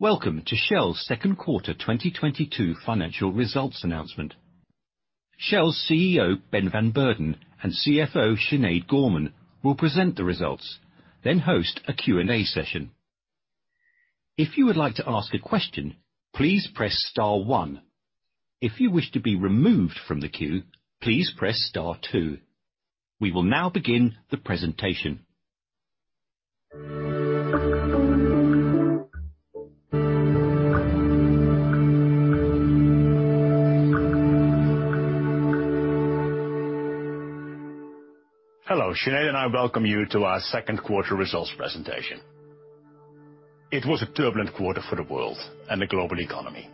Welcome to Shell's second quarter 2022 financial results announcement. Shell's CEO, Ben van Beurden, and CFO, Sinead Gorman, will present the results, then host a Q&A session. If you would like to ask a question, please press star one. If you wish to be removed from the queue, please press star two. We will now begin the presentation. Hello. Sinead and I welcome you to our second quarter results presentation. It was a turbulent quarter for the world and the global economy.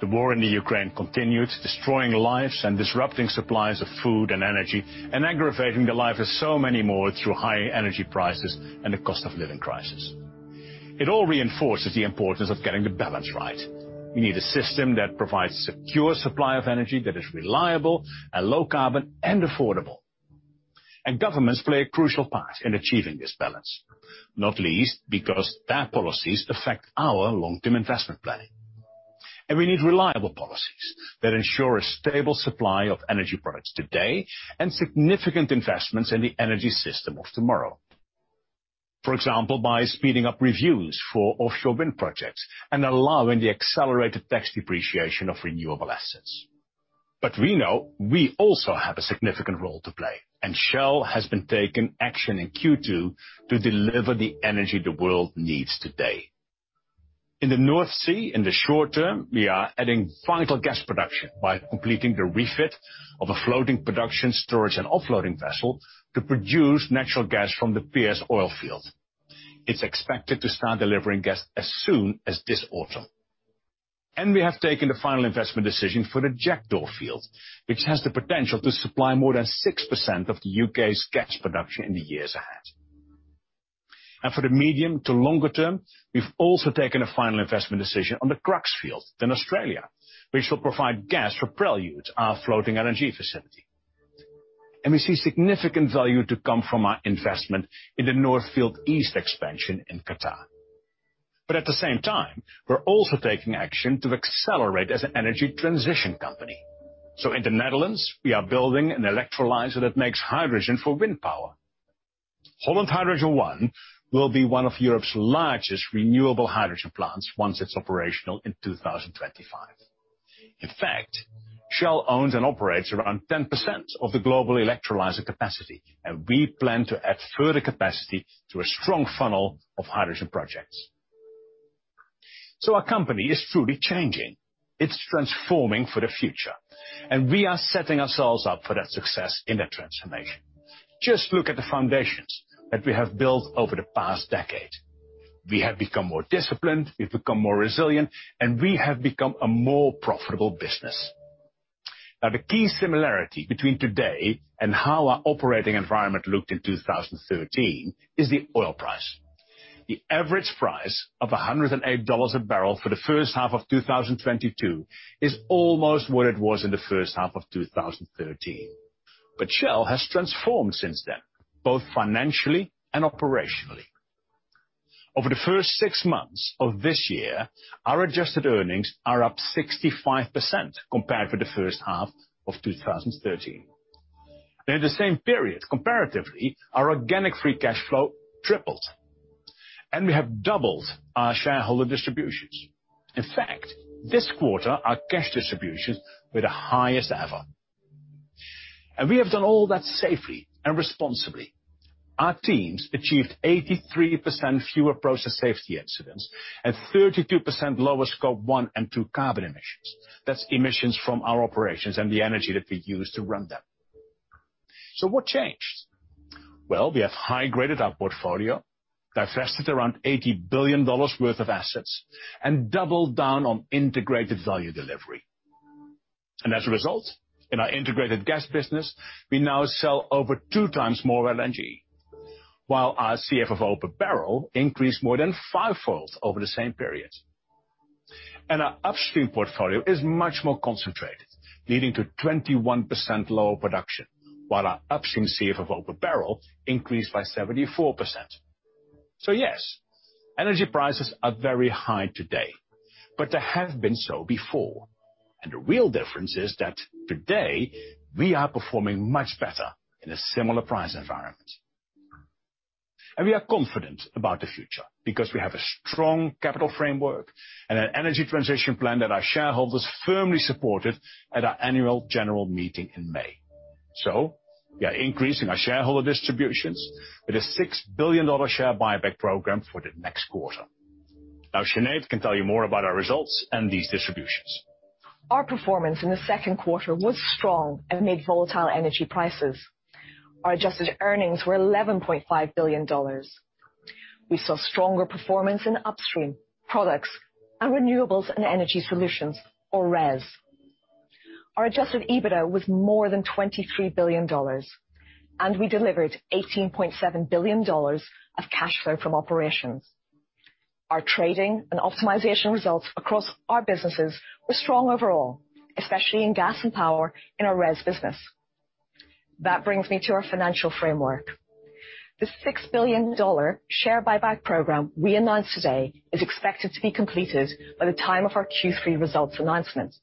The war in Ukraine continued, destroying lives and disrupting supplies of food and energy and aggravating the lives of so many more through high energy prices and the cost of living crisis. It all reinforces the importance of getting the balance right. You need a system that provides secure supply of energy that is reliable and low carbon and affordable. Governments play a crucial part in achieving this balance, not least because their policies affect our long-term investment plan. We need reliable policies that ensure a stable supply of energy products today and significant investments in the energy system of tomorrow. For example, by speeding up reviews for offshore wind projects and allowing the accelerated tax depreciation of renewable assets. We know we also have a significant role to play, and Shell has been taking action in Q2 to deliver the energy the world needs today. In the North Sea, in the short term, we are adding vital gas production by completing the refit of a floating production storage and offloading vessel to produce natural gas from the Pierce oil field. It's expected to start delivering gas as soon as this autumn. We have taken the final investment decision for the Jackdaw field, which has the potential to supply more than 6% of the U.K.'s gas production in the years ahead. For the medium to longer term, we've also taken a final investment decision on the Crux field in Australia, which shall provide gas for Prelude, our floating LNG facility. We see significant value to come from our investment in the North Field East expansion in Qatar. At the same time, we're also taking action to accelerate as an energy transition company. In the Netherlands, we are building an electrolyzer that makes hydrogen for wind power. Holland Hydrogen I will be one of Europe's largest renewable hydrogen plants once it's operational in 2025. In fact, Shell owns and operates around 10% of the global electrolyzer capacity, and we plan to add further capacity through a strong funnel of hydrogen projects. Our company is truly changing. It's transforming for the future, and we are setting ourselves up for that success in that transformation. Just look at the foundations that we have built over the past decade. We have become more disciplined, we've become more resilient, and we have become a more profitable business. Now, the key similarity between today and how our operating environment looked in 2013 is the oil price. The average price of $108 a barrel for the first half of 2022 is almost what it was in the first half of 2013. Shell has transformed since then, both financially and operationally. Over the first six months of this year, our adjusted earnings are up 65% compared to the first half of 2013. In the same period, comparatively, our organic free cash flow tripled, and we have doubled our shareholder distributions. In fact, this quarter, our cash distributions were the highest ever. We have done all that safely and responsibly. Our teams achieved 83% fewer process safety incidents and 32% lower scope 1 and 2 carbon emissions. That's emissions from our operations and the energy that we use to run them. What changed? Well, we have high-graded our portfolio, divested around $80 billion worth of assets, and doubled down on integrated value delivery. As a result, in our integrated gas business, we now sell over two times more LNG, while our CFFO per barrel increased more than fivefold over the same period. Our upstream portfolio is much more concentrated, leading to 21% lower production, while our upstream CFFO per barrel increased by 74%. Yes, energy prices are very high today, but they have been so before. The real difference is that today we are performing much better in a similar price environment. We are confident about the future because we have a strong capital framework and an energy transition plan that our shareholders firmly supported at our annual general meeting in May. We are increasing our shareholder distributions with a $6 billion share buyback program for the next quarter. Now Sinead can tell you more about our results and these distributions. Our performance in the second quarter was strong amid volatile energy prices. Our adjusted earnings were $11.5 billion. We saw stronger performance in upstream products and renewables and energy solutions, or RES. Our adjusted EBITDA was more than $23 billion, and we delivered $18.7 billion of cash flow from operations. Our trading and optimization results across our businesses were strong overall, especially in gas and power in our RES business. That brings me to our financial framework. The $6 billion share buyback program we announced today is expected to be completed by the time of our Q3 results announcement.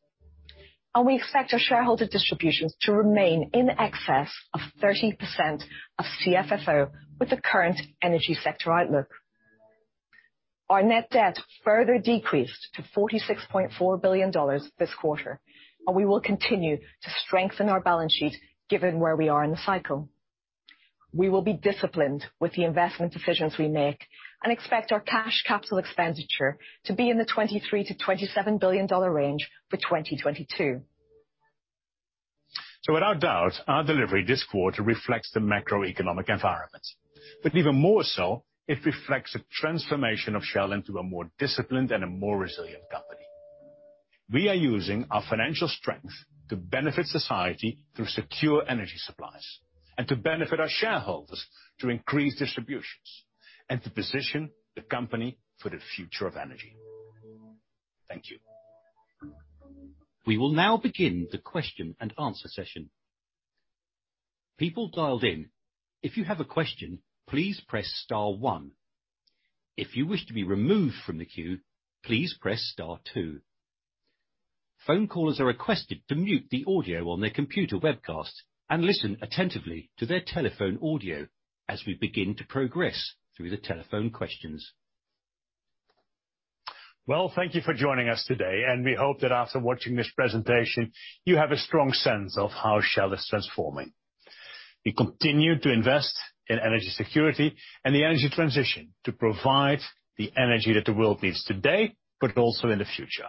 We expect our shareholder distributions to remain in excess of 30% of CFFO with the current energy sector outlook. Our net debt further decreased to $46.4 billion this quarter, and we will continue to strengthen our balance sheet given where we are in the cycle. We will be disciplined with the investment decisions we make and expect our cash capital expenditure to be in the $23 billion-$27 billion range for 2022. Without a doubt, our delivery this quarter reflects the macroeconomic environment. Even more so, it reflects the transformation of Shell into a more disciplined and a more resilient company. We are using our financial strength to benefit society through secure energy supplies and to benefit our shareholders to increase distributions and to position the company for the future of energy. Thank you. We will now begin the question and answer session. People dialed in, if you have a question, please press star one. If you wish to be removed from the queue, please press star two. Phone callers are requested to mute the audio on their computer webcasts and listen attentively to their telephone audio as we begin to progress through the telephone questions. Well, thank you for joining us today, and we hope that after watching this presentation, you have a strong sense of how Shell is transforming. We continue to invest in energy security and the energy transition to provide the energy that the world needs today, but also in the future.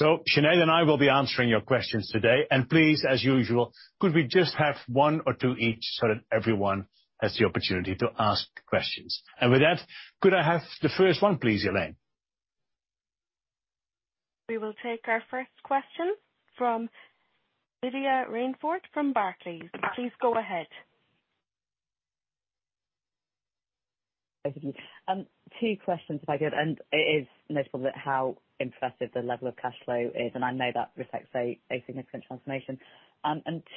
Sinead and I will be answering your questions today. Please, as usual, could we just have one or two each so that everyone has the opportunity to ask questions. With that, could I have the first one, please, Elaine? We will take our first question from Lydia Rainforth from Barclays. Please go ahead. Thank you. Two questions if I could. It is notable how impressive the level of cash flow is, and I know that reflects a significant transformation.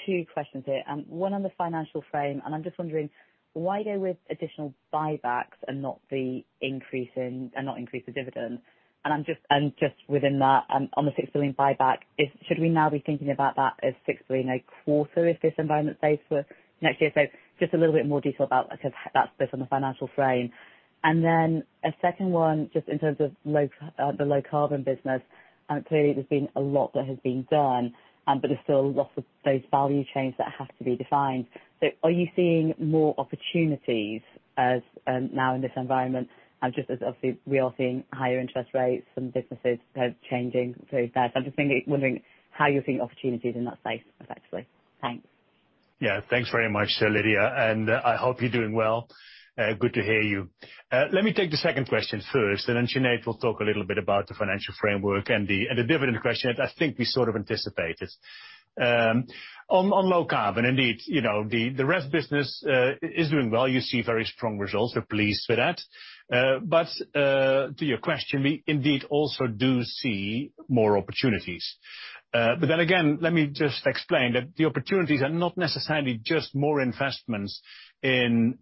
Two questions here. One on the financial frame, and I'm just wondering why go with additional buybacks and not increase the dividend. Just within that, on the $6 billion buyback, should we now be thinking about that as $6 billion a quarter if this environment stays for next year? Just a little bit more detail about, like, that's based on the financial frame. Then a second one, just in terms of the low-carbon business, and clearly there's been a lot that has been done, but there's still lots of those value chains that have to be defined. Are you seeing more opportunities as, now in this environment and just as obviously we are seeing higher interest rates and businesses have changing through that? I'm just wondering how you're seeing opportunities in that space effectively. Thanks. Yeah. Thanks very much, Lydia. I hope you're doing well. Good to hear you. Let me take the second question first, and then Sinead will talk a little bit about the financial framework and the dividend question that I think we sort of anticipated. On low carbon, indeed, you know, the RES business is doing well. You see very strong results. We're pleased with that. But to your question, we indeed also do see more opportunities. But then again, let me just explain that the opportunities are not necessarily just more investments in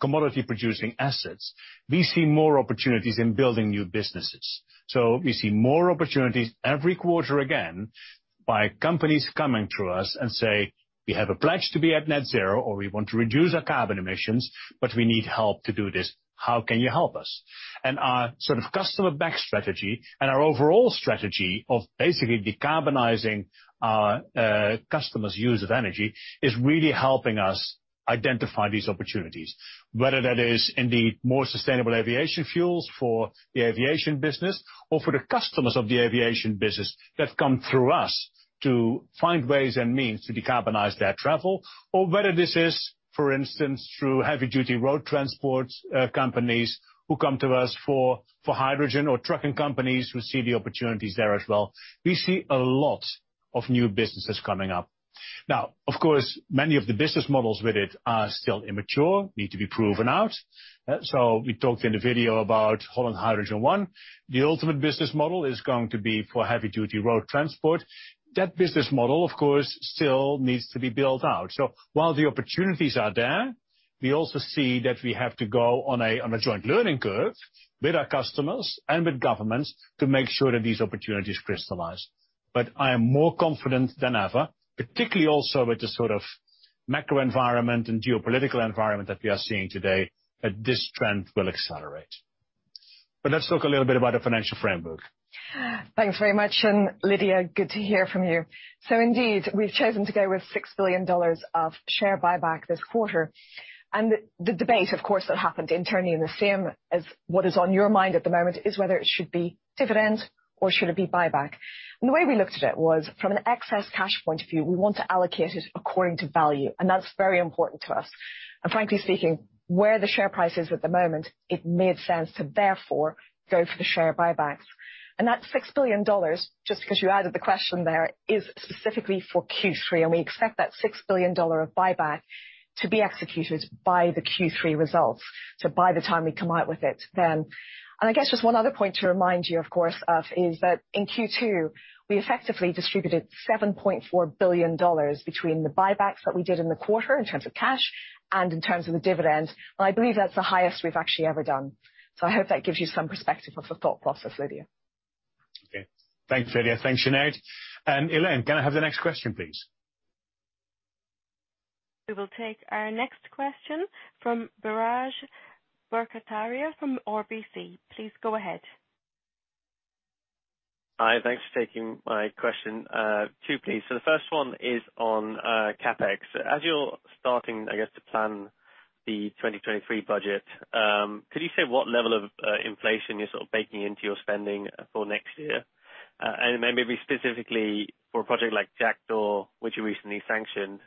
commodity-producing assets. We see more opportunities in building new businesses. We see more opportunities every quarter, again, by companies coming to us and say, "We have a pledge to be at net zero, or we want to reduce our carbon emissions, but we need help to do this. How can you help us?" Our sort of customer-back strategy and our overall strategy of basically decarbonizing our customers' use of energy is really helping us identify these opportunities. Whether that is indeed more sustainable aviation fuels for the aviation business or for the customers of the aviation business that come through us to find ways and means to decarbonize their travel or whether this is, for instance, through heavy-duty road transport companies who come to us for hydrogen or trucking companies who see the opportunities there as well. We see a lot of new businesses coming up. Now, of course, many of the business models with it are still immature, need to be proven out. We talked in the video about Holland Hydrogen I. The ultimate business model is going to be for heavy-duty road transport. That business model, of course, still needs to be built out. While the opportunities are there, we also see that we have to go on a joint learning curve with our customers and with governments to make sure that these opportunities crystallize. I am more confident than ever, particularly also with the sort of macro environment and geopolitical environment that we are seeing today, that this trend will accelerate. Let's talk a little bit about the financial framework. Thanks very much. Lydia, good to hear from you. Indeed, we've chosen to go with $6 billion of share buyback this quarter. The debate, of course, that happened internally and the same as what is on your mind at the moment is whether it should be dividend or should it be buyback. The way we looked at it was from an excess cash point of view, we want to allocate it according to value, and that's very important to us. Frankly speaking, where the share price is at the moment, it made sense to therefore go for the share buyback. That $6 billion, just because you added the question there, is specifically for Q3, and we expect that $6 billion of buyback to be executed by the Q3 results, so by the time we come out with it then. I guess just one other point to remind you, of course, of is that in Q2, we effectively distributed $7.4 billion between the buybacks that we did in the quarter in terms of cash and in terms of the dividends. I believe that's the highest we've actually ever done. I hope that gives you some perspective of the thought process, Lydia. Okay. Thanks, Lydia. Thanks, Sinead. Elaine, can I have the next question, please? We will take our next question from Biraj Borkhataria from RBC. Please go ahead. Hi, thanks for taking my question. Two please. The first one is on CapEx. As you're starting, I guess, to plan the 2023 budget, could you say what level of inflation you're sort of baking into your spending for next year? Maybe specifically for a project like Jackdaw, which you recently sanctioned,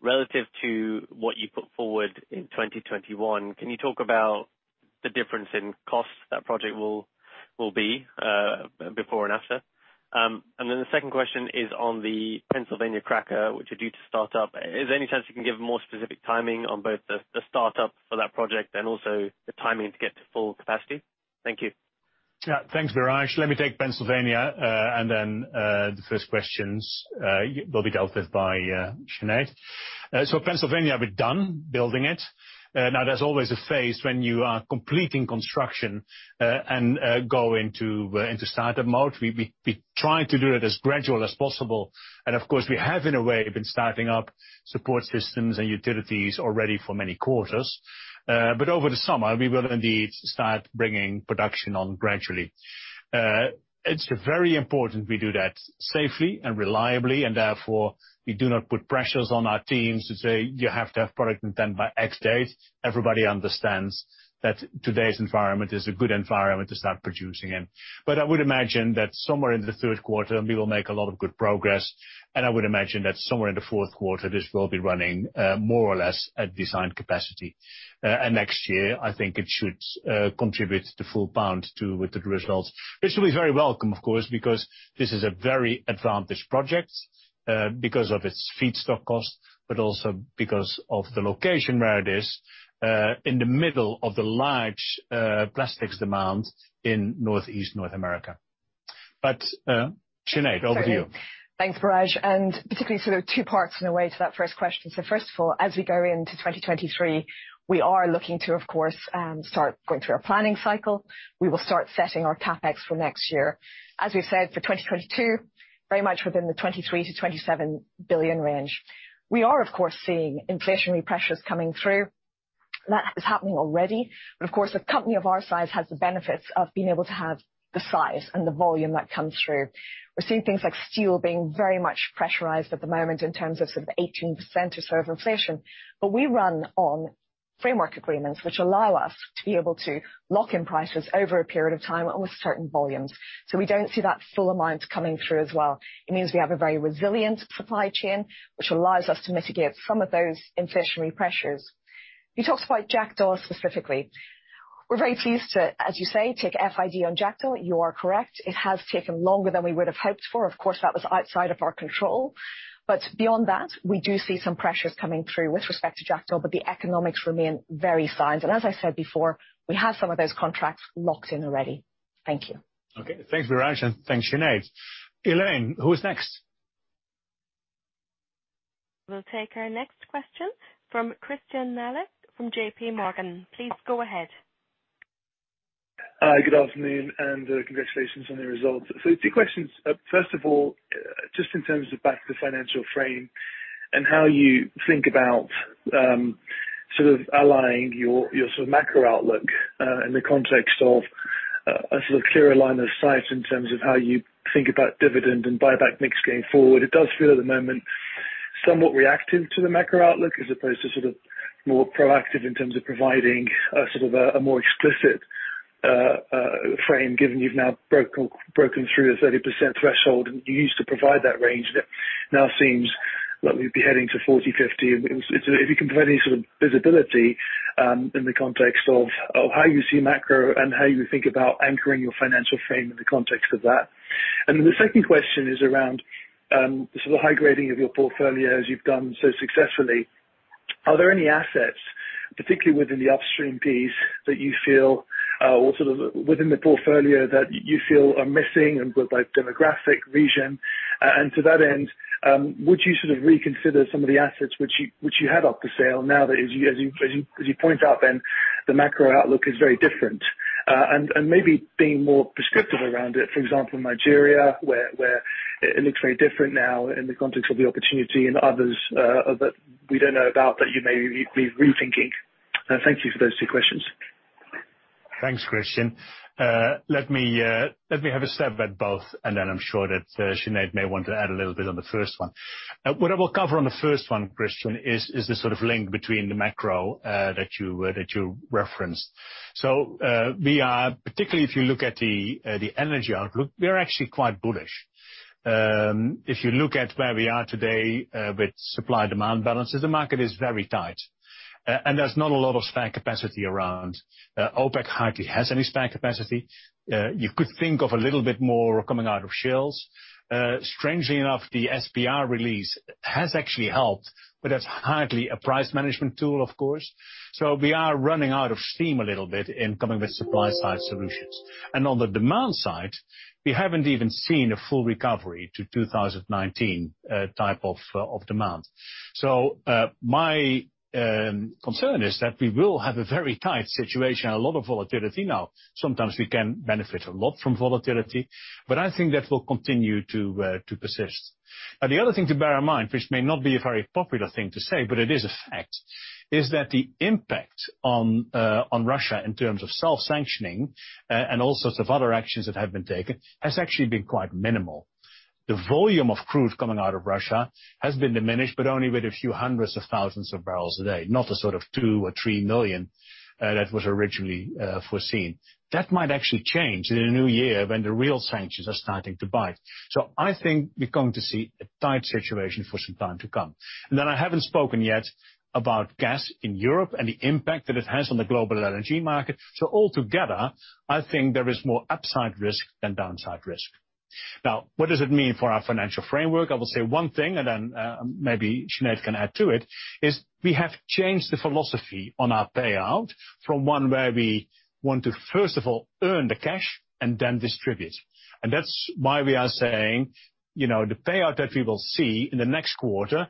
relative to what you put forward in 2021, can you talk about the difference in costs that project will be before and after? The second question is on the Pennsylvania cracker, which you're due to start up. Is there any chance you can give more specific timing on both the startup for that project and also the timing to get to full capacity? Thank you. Yeah. Thanks, Biraj. Let me take Pennsylvania, and then the first questions. They'll be dealt with by Sinead. Pennsylvania, we're done building it. Now there's always a phase when you are completing construction and go into startup mode. We try to do it as gradual as possible. Of course, we have in a way been starting up support systems and utilities already for many quarters. Over the summer, we will indeed start bringing production on gradually. It's very important we do that safely and reliably, and therefore, we do not put pressures on our teams to say, "You have to have product done by X date." Everybody understands that today's environment is a good environment to start producing in. I would imagine that somewhere in the third quarter, we will make a lot of good progress, and I would imagine that somewhere in the fourth quarter, this will be running more or less at design capacity. Next year, I think it should contribute the full $1 billion with the results. This will be very welcome, of course, because this is a very advantaged project because of its feedstock cost, but also because of the location where it is in the middle of the large plastics demand in Northeast North America. Sinead, over to you. Thanks, Biraj. Particularly sort of two parts in a way to that first question. First of all, as we go into 2023, we are looking to, of course, start going through our planning cycle. We will start setting our CapEx for next year. As we've said, for 2022, very much within the $23 billion-$27 billion range. We are, of course, seeing inflationary pressures coming through. That is happening already. Of course, a company of our size has the benefits of being able to have the size and the volume that comes through. We're seeing things like steel being very much pressurized at the moment in terms of sort of 18% or so of inflation. We run on framework agreements which allow us to be able to lock in prices over a period of time with certain volumes. We don't see that full amount coming through as well. It means we have a very resilient supply chain, which allows us to mitigate some of those inflationary pressures. You talked about Jackdaw specifically. We're very pleased to, as you say, take FID on Jackdaw. You are correct. It has taken longer than we would have hoped for. Of course, that was outside of our control. Beyond that, we do see some pressures coming through with respect to Jackdaw, but the economics remain very sound. As I said before, we have some of those contracts locked in already. Thank you. Okay. Thanks, Biraj, and thanks, Sinead. Elaine, who is next? We'll take our next question from Christyan Malek from JPMorgan. Please go ahead. Hi, good afternoon, and congratulations on the results. Two questions. First of all, just in terms of back to the financial frame and how you think about sort of allying your sort of macro outlook in the context of a sort of clearer line of sight in terms of how you think about dividend and buyback mix going forward. It does feel at the moment somewhat reactive to the macro outlook, as opposed to sort of more proactive in terms of providing a sort of a more explicit frame, given you've now broken through the 30% threshold, and you used to provide that range that now seems like we'd be heading to 40%-50%. If you can provide any sort of visibility in the context of how you see macro and how you think about anchoring your financial frame in the context of that. Then the second question is around sort of high-grading of your portfolio as you've done so successfully. Are there any assets, particularly within the upstream piece, that you feel or sort of within the portfolio that you feel are missing and both by demographic region? To that end, would you sort of reconsider some of the assets which you had up for sale now that as you pointed out then, the macro outlook is very different. Maybe being more prescriptive around it, for example, Nigeria, where it looks very different now in the context of the opportunity and others that we don't know about that you may be rethinking. Thank you for those two questions. Thanks, Christyan. Let me have a stab at both, and then I'm sure that Sinead may want to add a little bit on the first one. What I will cover on the first one, Christyan, is the sort of link between the macro that you referenced. We are, particularly if you look at the energy outlook, actually quite bullish. If you look at where we are today with supply-demand balances, the market is very tight. There's not a lot of spare capacity around. OPEC hardly has any spare capacity. You could think of a little bit more coming out of Shell's. Strangely enough, the SPR release has actually helped, but that's hardly a price management tool, of course. We are running out of steam a little bit in coming with supply-side solutions. On the demand side, we haven't even seen a full recovery to 2019 type of demand. My concern is that we will have a very tight situation, a lot of volatility. Now, sometimes we can benefit a lot from volatility, but I think that will continue to persist. Now, the other thing to bear in mind, which may not be a very popular thing to say, but it is a fact, is that the impact on Russia in terms of self-sanctioning and all sorts of other actions that have been taken, has actually been quite minimal. The volume of crude coming out of Russia has been diminished, but only with a few hundreds of thousands of barrels a day, not the sort of 2 or 3 million that was originally foreseen. That might actually change in the new year when the real sanctions are starting to bite. I think we're going to see a tight situation for some time to come. I haven't spoken yet about gas in Europe and the impact that it has on the global energy market. Altogether, I think there is more upside risk than downside risk. Now, what does it mean for our financial framework? I will say one thing, and then maybe Sinead can add to it, is we have changed the philosophy on our payout from one where we want to, first of all, earn the cash and then distribute. That's why we are saying, you know, the payout that we will see in the next quarter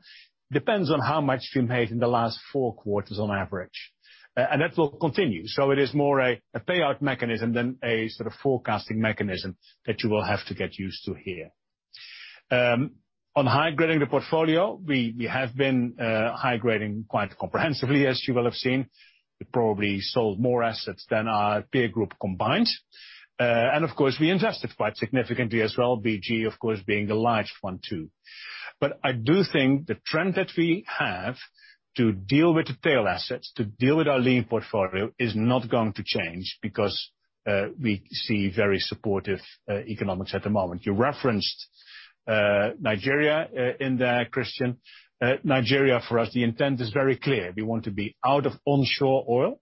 depends on how much we made in the last four quarters on average. That will continue. It is more a payout mechanism than a sort of forecasting mechanism that you will have to get used to here. On high-grading the portfolio, we have been high-grading quite comprehensively, as you will have seen. We probably sold more assets than our peer group combined. Of course, we invested quite significantly as well. BG, of course, being the large one too. I do think the trend that we have to deal with the tail assets, to deal with our lean portfolio is not going to change because we see very supportive economics at the moment. You referenced Nigeria in there, Christyan. Nigeria, for us, the intent is very clear. We want to be out of onshore oil,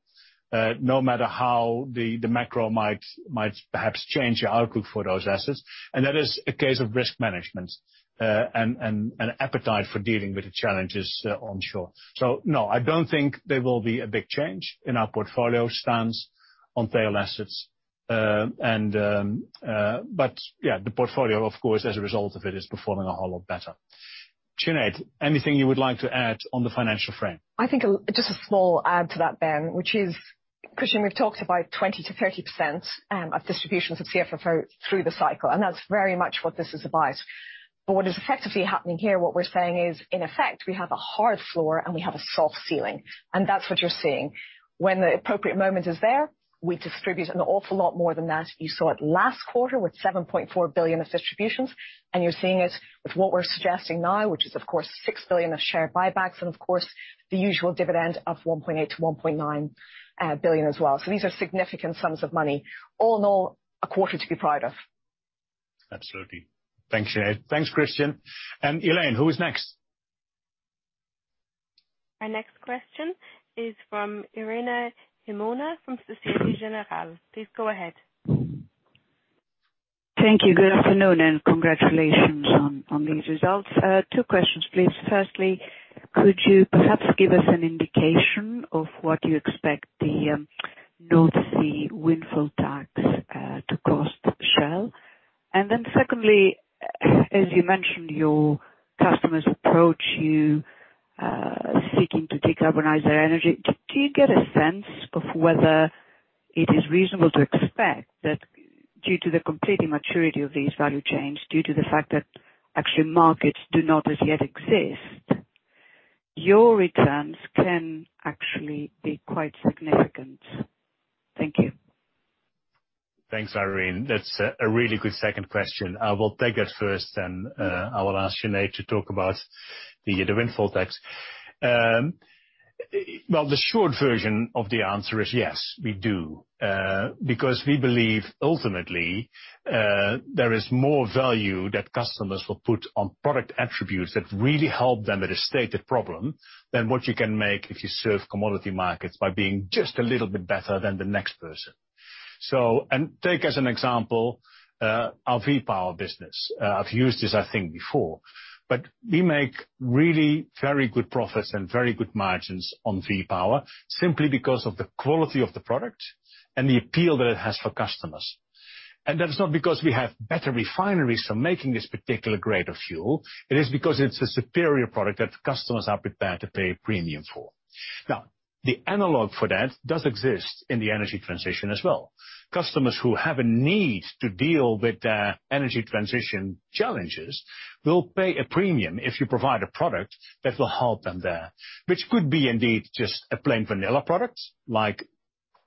no matter how the macro might perhaps change the outlook for those assets. That is a case of risk management, and an appetite for dealing with the challenges onshore. No, I don't think there will be a big change in our portfolio stance on oil assets. Yeah, the portfolio, of course, as a result of it, is performing a whole lot better. Sinead, anything you would like to add on the financial frame? I think just a small add to that, Ben, which is, Christyan, we've talked about 20%-30% of distributions of CFFO through the cycle, and that's very much what this is about. What is effectively happening here, what we're saying is, in effect, we have a hard floor, and we have a soft ceiling, and that's what you're seeing. When the appropriate moment is there, we distribute an awful lot more than that. You saw it last quarter with $7.4 billion of distributions, and you're seeing it with what we're suggesting now, which is, of course, $6 billion of share buybacks and of course, the usual dividend of $1.8 billion-$1.9 billion as well. These are significant sums of money. All in all, a quarter to be proud of. Absolutely. Thanks, Sinead. Thanks, Christyan. Elaine, who is next? Our next question is from Irene Himona, from Société Générale. Please go ahead. Thank you. Good afternoon and congratulations on these results. Two questions, please. Firstly, could you perhaps give us an indication of what you expect the North Sea windfall tax to cost Shell? Secondly, as you mentioned, your customers approach you seeking to decarbonize their energy. Do you get a sense of whether it is reasonable to expect that due to the complete immaturity of these value chains, due to the fact that actual markets do not as yet exist, your returns can actually be quite significant? Thank you. Thanks, Irene. That's a really good second question. I will take it first, and I will ask Sinead to talk about the windfall tax. Well, the short version of the answer is yes, we do. Because we believe ultimately, there is more value that customers will put on product attributes that really help them with a stated problem than what you can make if you serve commodity markets by being just a little bit better than the next person. Take as an example our V-Power business. I've used this, I think, before. But we make really very good profits and very good margins on V-Power simply because of the quality of the product and the appeal that it has for customers. That is not because we have better refineries for making this particular grade of fuel. It is because it's a superior product that customers are prepared to pay a premium for. Now, the analog for that does exist in the energy transition as well. Customers who have a need to deal with their energy transition challenges will pay a premium if you provide a product that will help them there, which could be indeed just a plain vanilla product like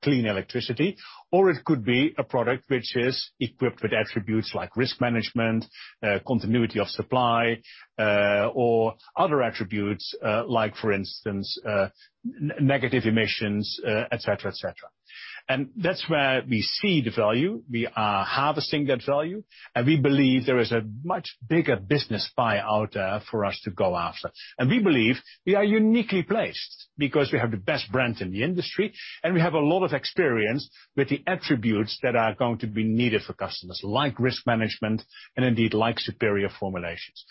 clean electricity, or it could be a product which is equipped with attributes like risk management, continuity of supply, or other attributes, like for instance, negative emissions, et cetera, et cetera. That's where we see the value. We are harvesting that value, and we believe there is a much bigger business pie out there for us to go after. We believe we are uniquely placed because we have the best brand in the industry, and we have a lot of experience with the attributes that are going to be needed for customers like risk management and indeed like superior formulations.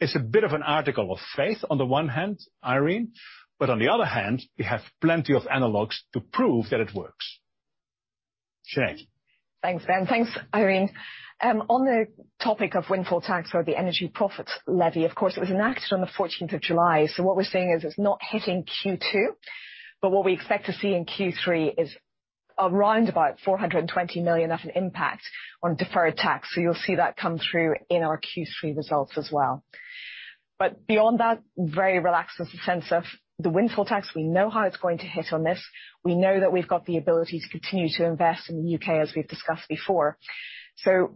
It's a bit of an article of faith on the one hand, Irene, but on the other hand, we have plenty of analogs to prove that it works. Sinead? Thanks, Ben. Thanks, Irene. On the topic of windfall tax or the Energy Profits Levy, of course, it was enacted on July 14th. What we're seeing is it's not hitting Q2, but what we expect to see in Q3 is around about $420 million of an impact on deferred tax. You'll see that come through in our Q3 results as well. Beyond that, very relaxed in the sense of the windfall tax. We know how it's going to hit on this. We know that we've got the ability to continue to invest in the U.K., as we've discussed before.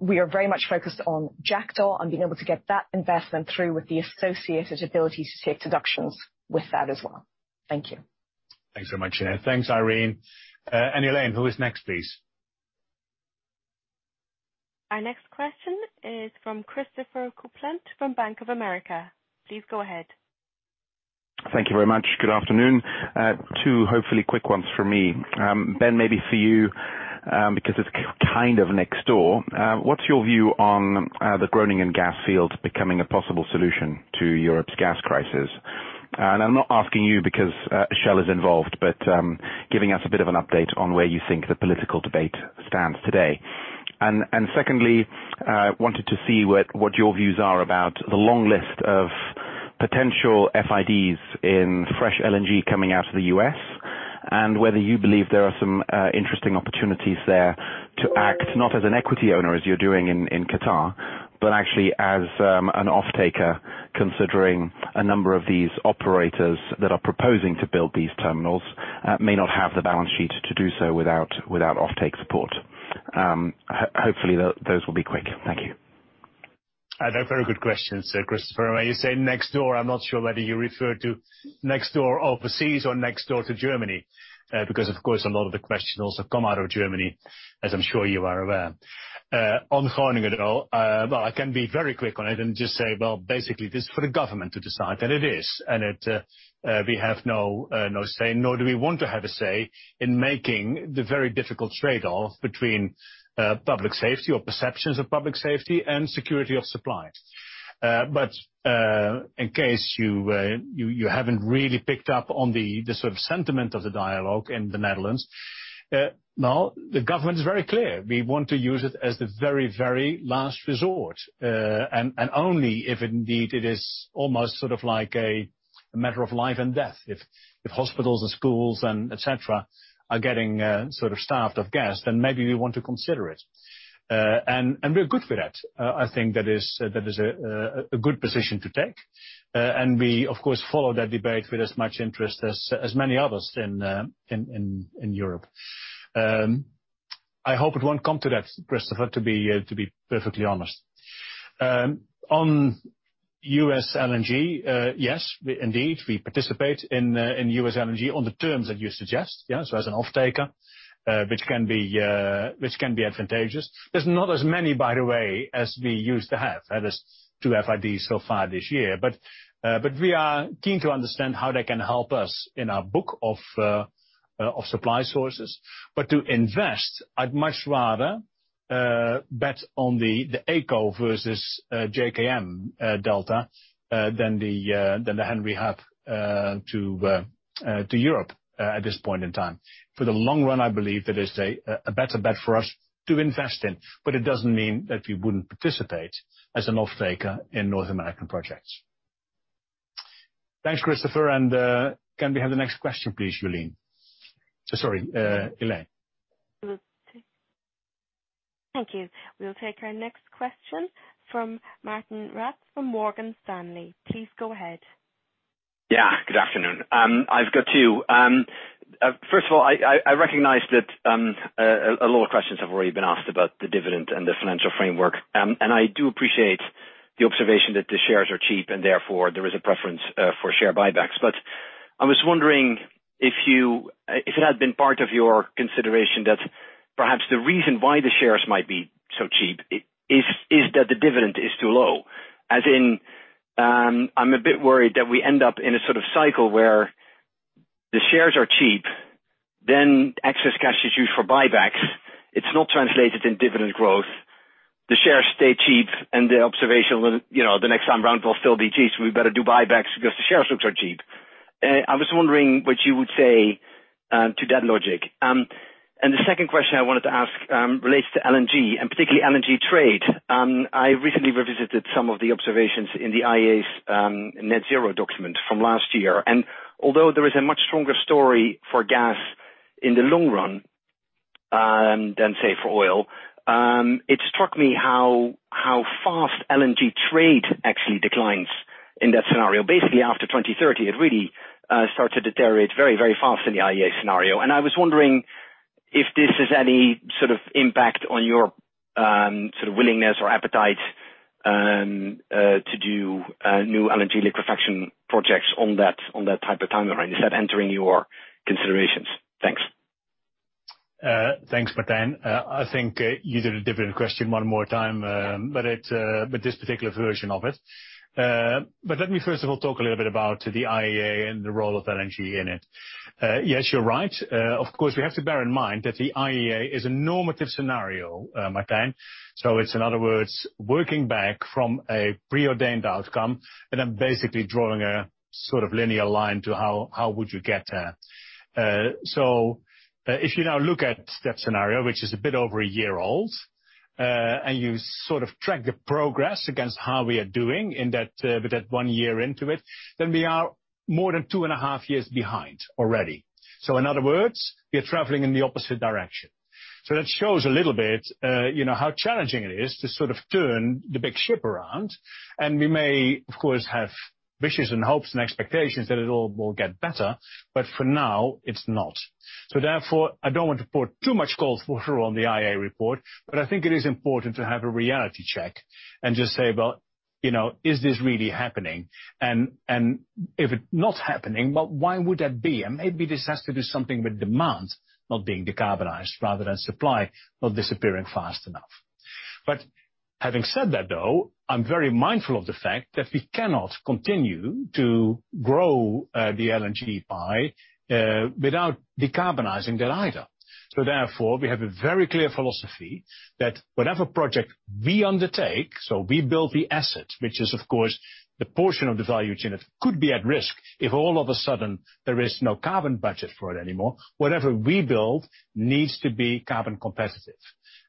We are very much focused on Jackdaw and being able to get that investment through with the associated ability to take deductions with that as well. Thank you. Thanks so much, Sinead. Thanks, Irene. Elaine, who is next, please? Our next question is from Christopher Kuplent from Bank of America. Please go ahead. Thank you very much. Good afternoon. Two hopefully quick ones for me. Ben, maybe for you, because it's kind of next door. What's your view on the Groningen gas field becoming a possible solution to Europe's gas crisis? I'm not asking you because Shell is involved, but giving us a bit of an update on where you think the political debate stands today. Secondly, wanted to see what your views are about the long list of potential FIDs in fresh LNG coming out of the U.S. and whether you believe there are some interesting opportunities there to act not as an equity owner as you're doing in Qatar, but actually as an offtaker, considering a number of these operators that are proposing to build these terminals may not have the balance sheet to do so without offtake support. Hopefully, those will be quick. Thank you. They're very good questions, Sir Christopher. When you say next door, I'm not sure whether you refer to next door overseas or next door to Germany, because of course, a lot of the questions also come out of Germany, as I'm sure you are aware. On Groningen, well, I can be very quick on it and just say, well, basically it is for the government to decide, and it is. We have no say, nor do we want to have a say in making the very difficult trade-off between public safety or perceptions of public safety and security of supply. In case you haven't really picked up on the sort of sentiment of the dialogue in the Netherlands, no, the government is very clear. We want to use it as the very, very last resort, and only if indeed it is almost sort of like a matter of life and death. If hospitals and schools and et cetera are getting sort of starved of gas, then maybe we want to consider it. We're good with that. I think that is a good position to take. We of course follow that debate with as much interest as many others in Europe. I hope it won't come to that, Christopher, to be perfectly honest. On U.S. LNG, yes, indeed, we participate in U.S. LNG on the terms that you suggest. As an offtaker, which can be advantageous. There's not as many, by the way, as we used to have. There is two FIDs so far this year. We are keen to understand how they can help us in our book of supply sources. To invest, I'd much rather bet on the EAX versus JKM delta than the Henry Hub to Europe at this point in time. For the long run, I believe that is a better bet for us to invest in, but it doesn't mean that we wouldn't participate as an offtaker in North American projects. Thanks, Christopher. Can we have the next question, please, Elaine? Sorry, Elaine. Thank you. We'll take our next question from Martijn Rats from Morgan Stanley. Please go ahead. Yeah, good afternoon. I've got two. First of all, I recognize that a lot of questions have already been asked about the dividend and the financial framework. I do appreciate the observation that the shares are cheap and therefore there is a preference for share buybacks. But I was wondering if it had been part of your consideration that perhaps the reason why the shares might be so cheap is that the dividend is too low. As in, I'm a bit worried that we end up in a sort of cycle where the shares are cheap, then excess cash is used for buybacks. It's not translated into dividend growth. The shares stay cheap and the observation, you know, the next time around will still be cheap, so we better do buybacks because the shares looks are cheap. I was wondering what you would say to that logic. The second question I wanted to ask relates to LNG, and particularly LNG trade. I recently revisited some of the observations in the IEA's net zero document from last year. Although there is a much stronger story for gas in the long run than say for oil. It struck me how fast LNG trade actually declines in that scenario. Basically after 2030, it really starts to deteriorate very, very fast in the IEA scenario. I was wondering if this has any sort of impact on your sort of willingness or appetite to do new LNG liquefaction projects on that type of timeline. Is that entering your considerations? Thanks. Thanks, Martijn. I think you did a different question one more time, but this particular version of it. Let me first of all talk a little bit about the IEA and the role of LNG in it. Yes, you're right. Of course, we have to bear in mind that the IEA is a normative scenario, Martijn. It's in other words, working back from a preordained outcome and then basically drawing a sort of linear line to how would you get there. If you now look at that scenario, which is a bit over a year old, and you sort of track the progress against how we are doing in that, with that one year into it, then we are more than2.5 years behind already. In other words, we are traveling in the opposite direction. That shows a little bit, you know, how challenging it is to sort of turn the big ship around. We may, of course, have wishes and hopes and expectations that it all will get better, but for now it's not. Therefore, I don't want to put too much cold water on the IEA report, but I think it is important to have a reality check and just say, "Well, you know, is this really happening? And if it not happening, well, why would that be?" Maybe this has to do something with demand not being decarbonized rather than supply not disappearing fast enough. Having said that, though, I'm very mindful of the fact that we cannot continue to grow the LNG pie without decarbonizing that either. Therefore, we have a very clear philosophy that whatever project we undertake, so we build the asset, which is of course the portion of the value chain that could be at risk if all of a sudden there is no carbon budget for it anymore. Whatever we build needs to be carbon competitive,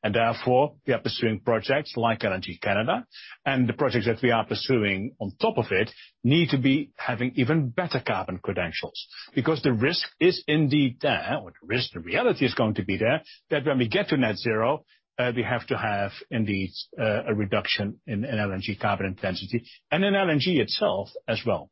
and therefore we are pursuing projects like LNG Canada. The projects that we are pursuing on top of it need to be having even better carbon credentials. Because the risk is indeed there, or the reality is going to be there, that when we get to net zero, we have to have indeed a reduction in LNG carbon intensity and in LNG itself as well.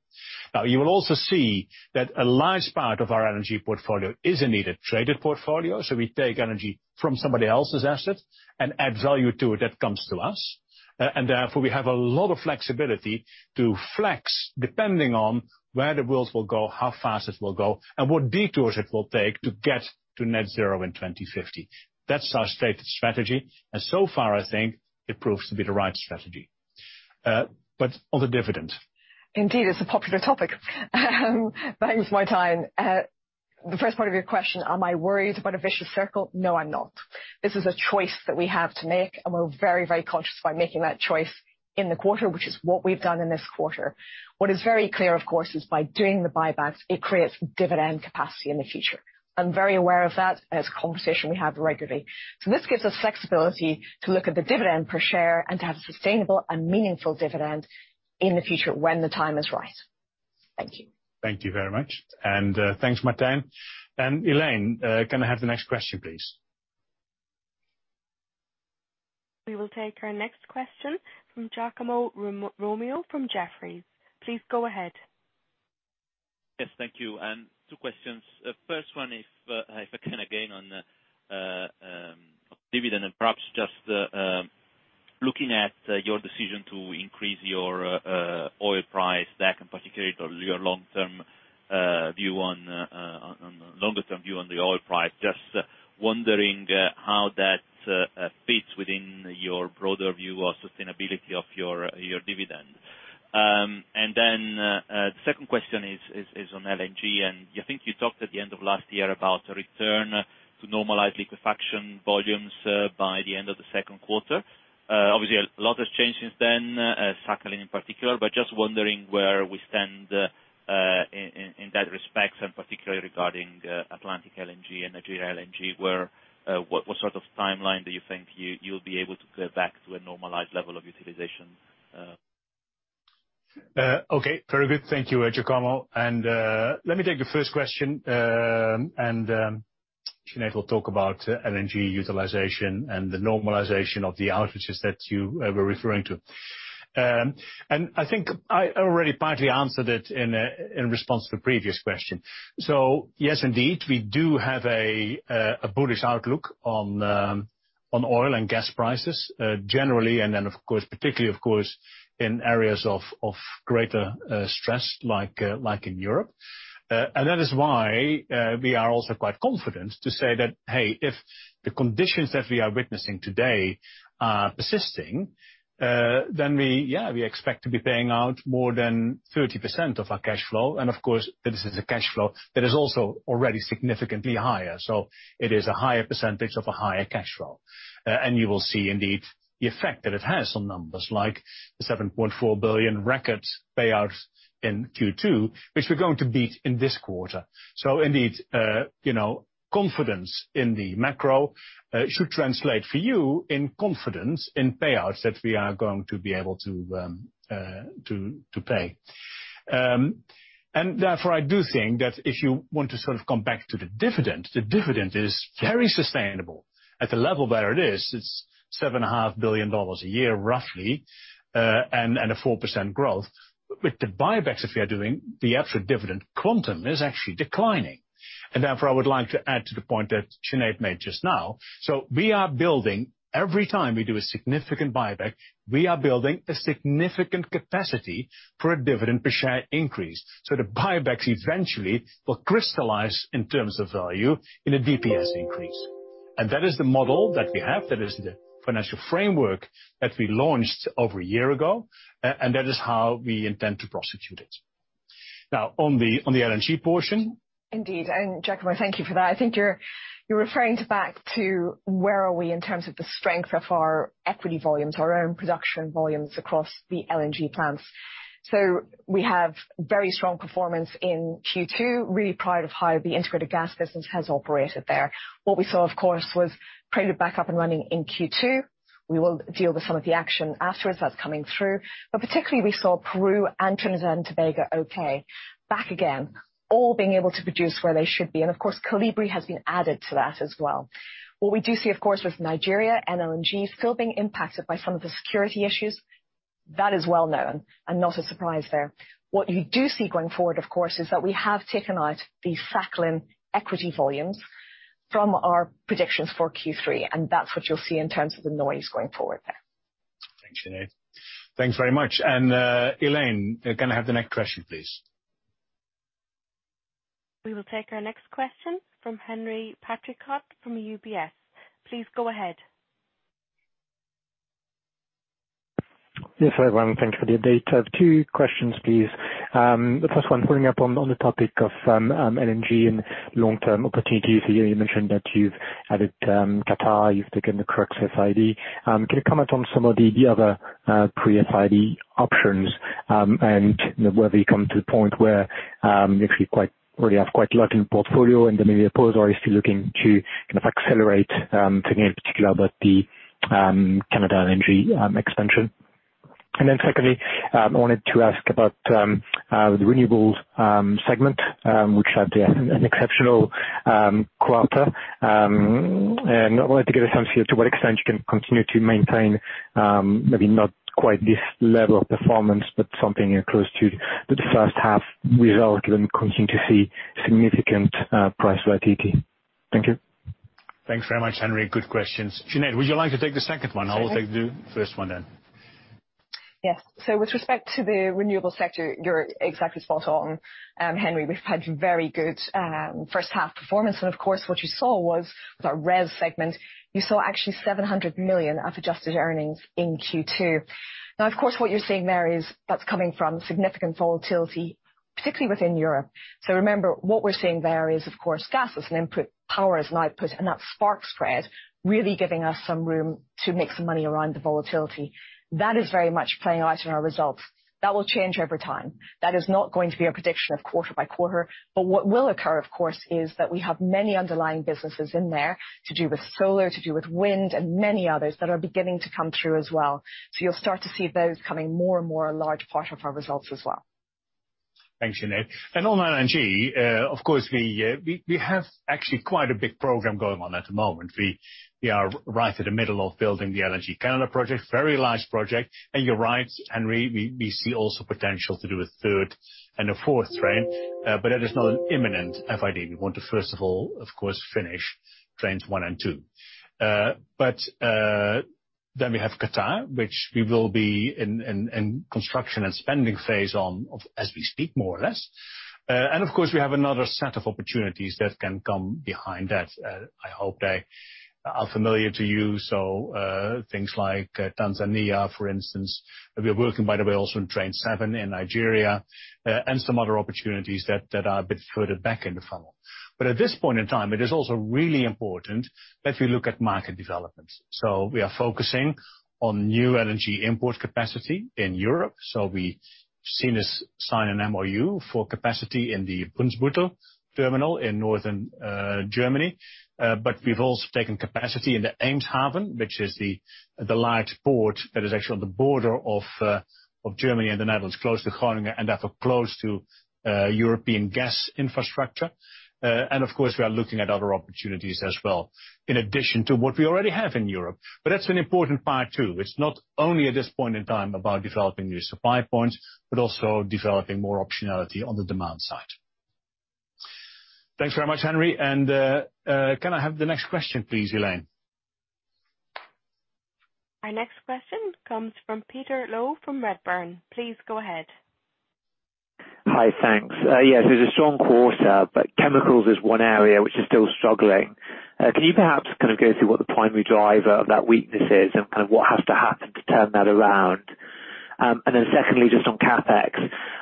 Now you will also see that a large part of our LNG portfolio is indeed a traded portfolio, so we take energy from somebody else's asset and add value to it that comes to us. And therefore, we have a lot of flexibility to flex depending on where the world will go, how fast it will go, and what detours it will take to get to net zero in 2050. That's our stated strategy. So far, I think it proves to be the right strategy. On the dividend. Indeed, it's a popular topic. Thanks, Martijn. The first part of your question, am I worried about a vicious circle? No, I'm not. This is a choice that we have to make, and we're very, very conscious by making that choice in the quarter, which is what we've done in this quarter. What is very clear, of course, is by doing the buybacks, it creates dividend capacity in the future. I'm very aware of that, and it's a conversation we have regularly. This gives us flexibility to look at the dividend per share and to have a sustainable and meaningful dividend in the future when the time is right. Thank you. Thank you very much. Thanks, Martijn. Elaine, can I have the next question, please? We will take our next question from Giacomo Romeo from Jefferies. Please go ahead. Yes, thank you. Two questions. First one, if I can again on the dividend and perhaps just looking at your decision to increase your oil price forecast and particularly your longer-term view on the oil price, just wondering how that fits within your broader view of sustainability of your dividend. The second question is on LNG. I think you talked at the end of last year about a return to normalized liquefaction volumes by the end of the second quarter. Obviously a lot has changed since then, Sakhalin in particular. Just wondering where we stand in that respect, and particularly regarding Atlantic LNG and Nigeria LNG, where what sort of timeline do you think you'll be able to go back to a normalized level of utilization? Okay. Very good. Thank you, Giacomo. Let me take the first question. Sinead will talk about LNG utilization and the normalization of the outages that you were referring to. I think I already partly answered it in response to the previous question. Yes, indeed, we do have a bullish outlook on oil and gas prices generally, and then of course, particularly in areas of greater stress like in Europe. That is why we are also quite confident to say that, hey, if the conditions that we are witnessing today are persisting, then we expect to be paying out more than 30% of our cash flow. Of course this is a cash flow that is also already significantly higher, so it is a higher percentage of a higher cash flow. You will see indeed the effect that it has on numbers like the $7.4 billion record payout in Q2, which we're going to beat in this quarter. Confidence in the macro should translate for you in confidence in payouts that we are going to be able to pay. Therefore, I do think that if you want to sort of come back to the dividend, the dividend is very sustainable. At the level where it is, it's $7.5 billion a year roughly, and a 4% growth. With the buybacks that we are doing, the actual dividend quantum is actually declining. Therefore, I would like to add to the point that Sinead made just now. We are building every time we do a significant buyback, we are building a significant capacity for a dividend per share increase. The buybacks eventually will crystallize in terms of value in a DPS increase. That is the model that we have. That is the financial framework that we launched over a year ago, and that is how we intend to prosecute it. Now, on the LNG portion. Indeed. Giacomo, thank you for that. I think you're referring to back to where are we in terms of the strength of our equity volumes, our own production volumes across the LNG plants. We have very strong performance in Q2. Really proud of how the integrated gas business has operated there. What we saw, of course, was Prelude back up and running in Q2. We will deal with some of the action afterwards. That's coming through. Particularly we saw Peru and Trinidad and Tobago okay, back again, all being able to produce where they should be. Of course, Colibri has been added to that as well. What we do see of course with Nigeria LNG still being impacted by some of the security issues, that is well-known and not a surprise there. What you do see going forward, of course, is that we have taken out the Sakhalin equity volumes from our predictions for Q3, and that's what you'll see in terms of the noise going forward there. Thanks, Sinead. Thanks very much. Elaine, can I have the next question, please? We will take our next question from Henri Patricot from UBS. Please go ahead. Yes, everyone. Thank you for the update. I have two questions, please. The first one following up on the topic of LNG and long-term opportunities. You mentioned that you've added Qatar, you've taken the Qatar FID. Can you comment on some of the other pre-FID options, and whether you come to the point where you actually really have quite a lot in portfolio and then maybe a pause or are you still looking to kind of accelerate thinking in particular about the LNG Canada expansion? Then secondly, I wanted to ask about the renewables segment, which had an exceptional quarter. I wanted to get a sense as to what extent you can continue to maintain, maybe not quite this level of performance, but something close to the first half result when continuing to see significant price volatility. Thank you. Thanks very much, Henri. Good questions. Sinead, would you like to take the second one? I will take the first one then. Yes. With respect to the renewable sector, you're exactly spot on, Henri. We've had very good first half performance. Of course, what you saw was with our RES segment, you saw actually $700 million of adjusted earnings in Q2. Now, of course, what you're seeing there is that's coming from significant volatility, particularly within Europe. Remember, what we're seeing there is, of course, gas as an input, power as an output, and that spark spread really giving us some room to make some money around the volatility. That is very much playing out in our results. That will change over time. That is not going to be a prediction of quarter by quarter. What will occur, of course, is that we have many underlying businesses in there to do with solar, to do with wind, and many others that are beginning to come through as well. You'll start to see those becoming more and more a large part of our results as well. Thanks, Sinead. On LNG, of course we have actually quite a big program going on at the moment. We are right in the middle of building the LNG Canada project, very large project. You're right, Henri, we see also potential to do a third and a fourth train, but that is not an imminent FID. We want to, first of all, of course, finish trains one and two. We have Qatar, which we will be in construction and spending phase on as we speak more or less. Of course we have another set of opportunities that can come behind that. I hope they are familiar to you. Things like Tanzania for instance. We are working by the way also on Train 7 in Nigeria, and some other opportunities that are a bit further back in the funnel. At this point in time it is also really important that we look at market developments. We are focusing on new LNG import capacity in Europe. We've signed an MOU for capacity in the Brunsbüttel terminal in northern Germany. But we've also taken capacity in the Eemshaven, which is the large port that is actually on the border of Germany and the Netherlands, close to Groningen and therefore close to European gas infrastructure. And of course we are looking at other opportunities as well in addition to what we already have in Europe. That's an important part too. It's not only at this point in time about developing new supply points, but also developing more optionality on the demand side. Thanks very much, Henri. Can I have the next question please, Elaine? Our next question comes from Peter Low from Redburn. Please go ahead. Hi. Thanks. Yes, it's a strong quarter, but chemicals is one area which is still struggling. Can you perhaps kind of go through what the primary driver of that weakness is and kind of what has to happen to turn that around? Secondly, just on CapEx.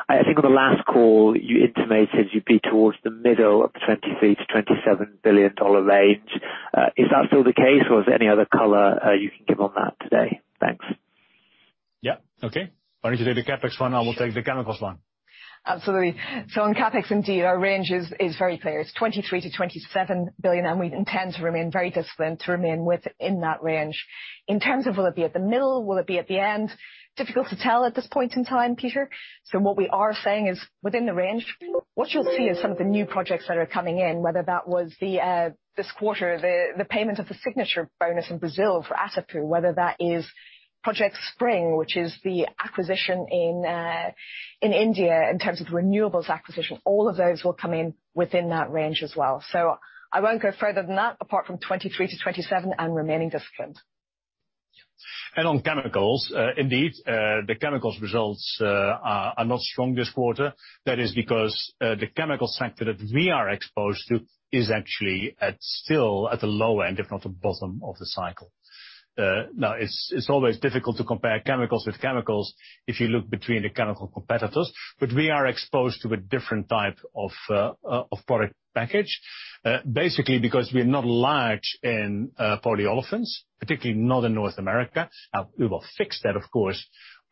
I think on the last call you intimated you'd be towards the middle of the $23 billion-$27 billion range. Is that still the case or is there any other color you can give on that today? Thanks. Yeah. Okay. Why don't you do the CapEx one. I will take the chemicals one. Absolutely. On CapEx, indeed, our range is very clear. It's $23 billion-$27 billion, and we intend to remain very disciplined to remain within that range. In terms of will it be at the middle, will it be at the end? Difficult to tell at this point in time, Peter. What we are saying is within the range. What you'll see is some of the new projects that are coming in, whether that was this quarter, the payment of the signature bonus in Brazil for Atapu. Whether that is Project Spring, which is the acquisition in India in terms of renewables acquisition. All of those will come in within that range as well. I won't go further than that, apart from $23 billion-$27 billion and remaining disciplined. On chemicals. Indeed, the chemicals results are not strong this quarter. That is because the chemical sector that we are exposed to is actually still at the low end, if not the bottom of the cycle. Now, it's always difficult to compare chemicals with chemicals if you look between the chemical competitors, but we are exposed to a different type of product package. Basically because we're not large in polyolefins, particularly not in North America. Now, we will fix that, of course,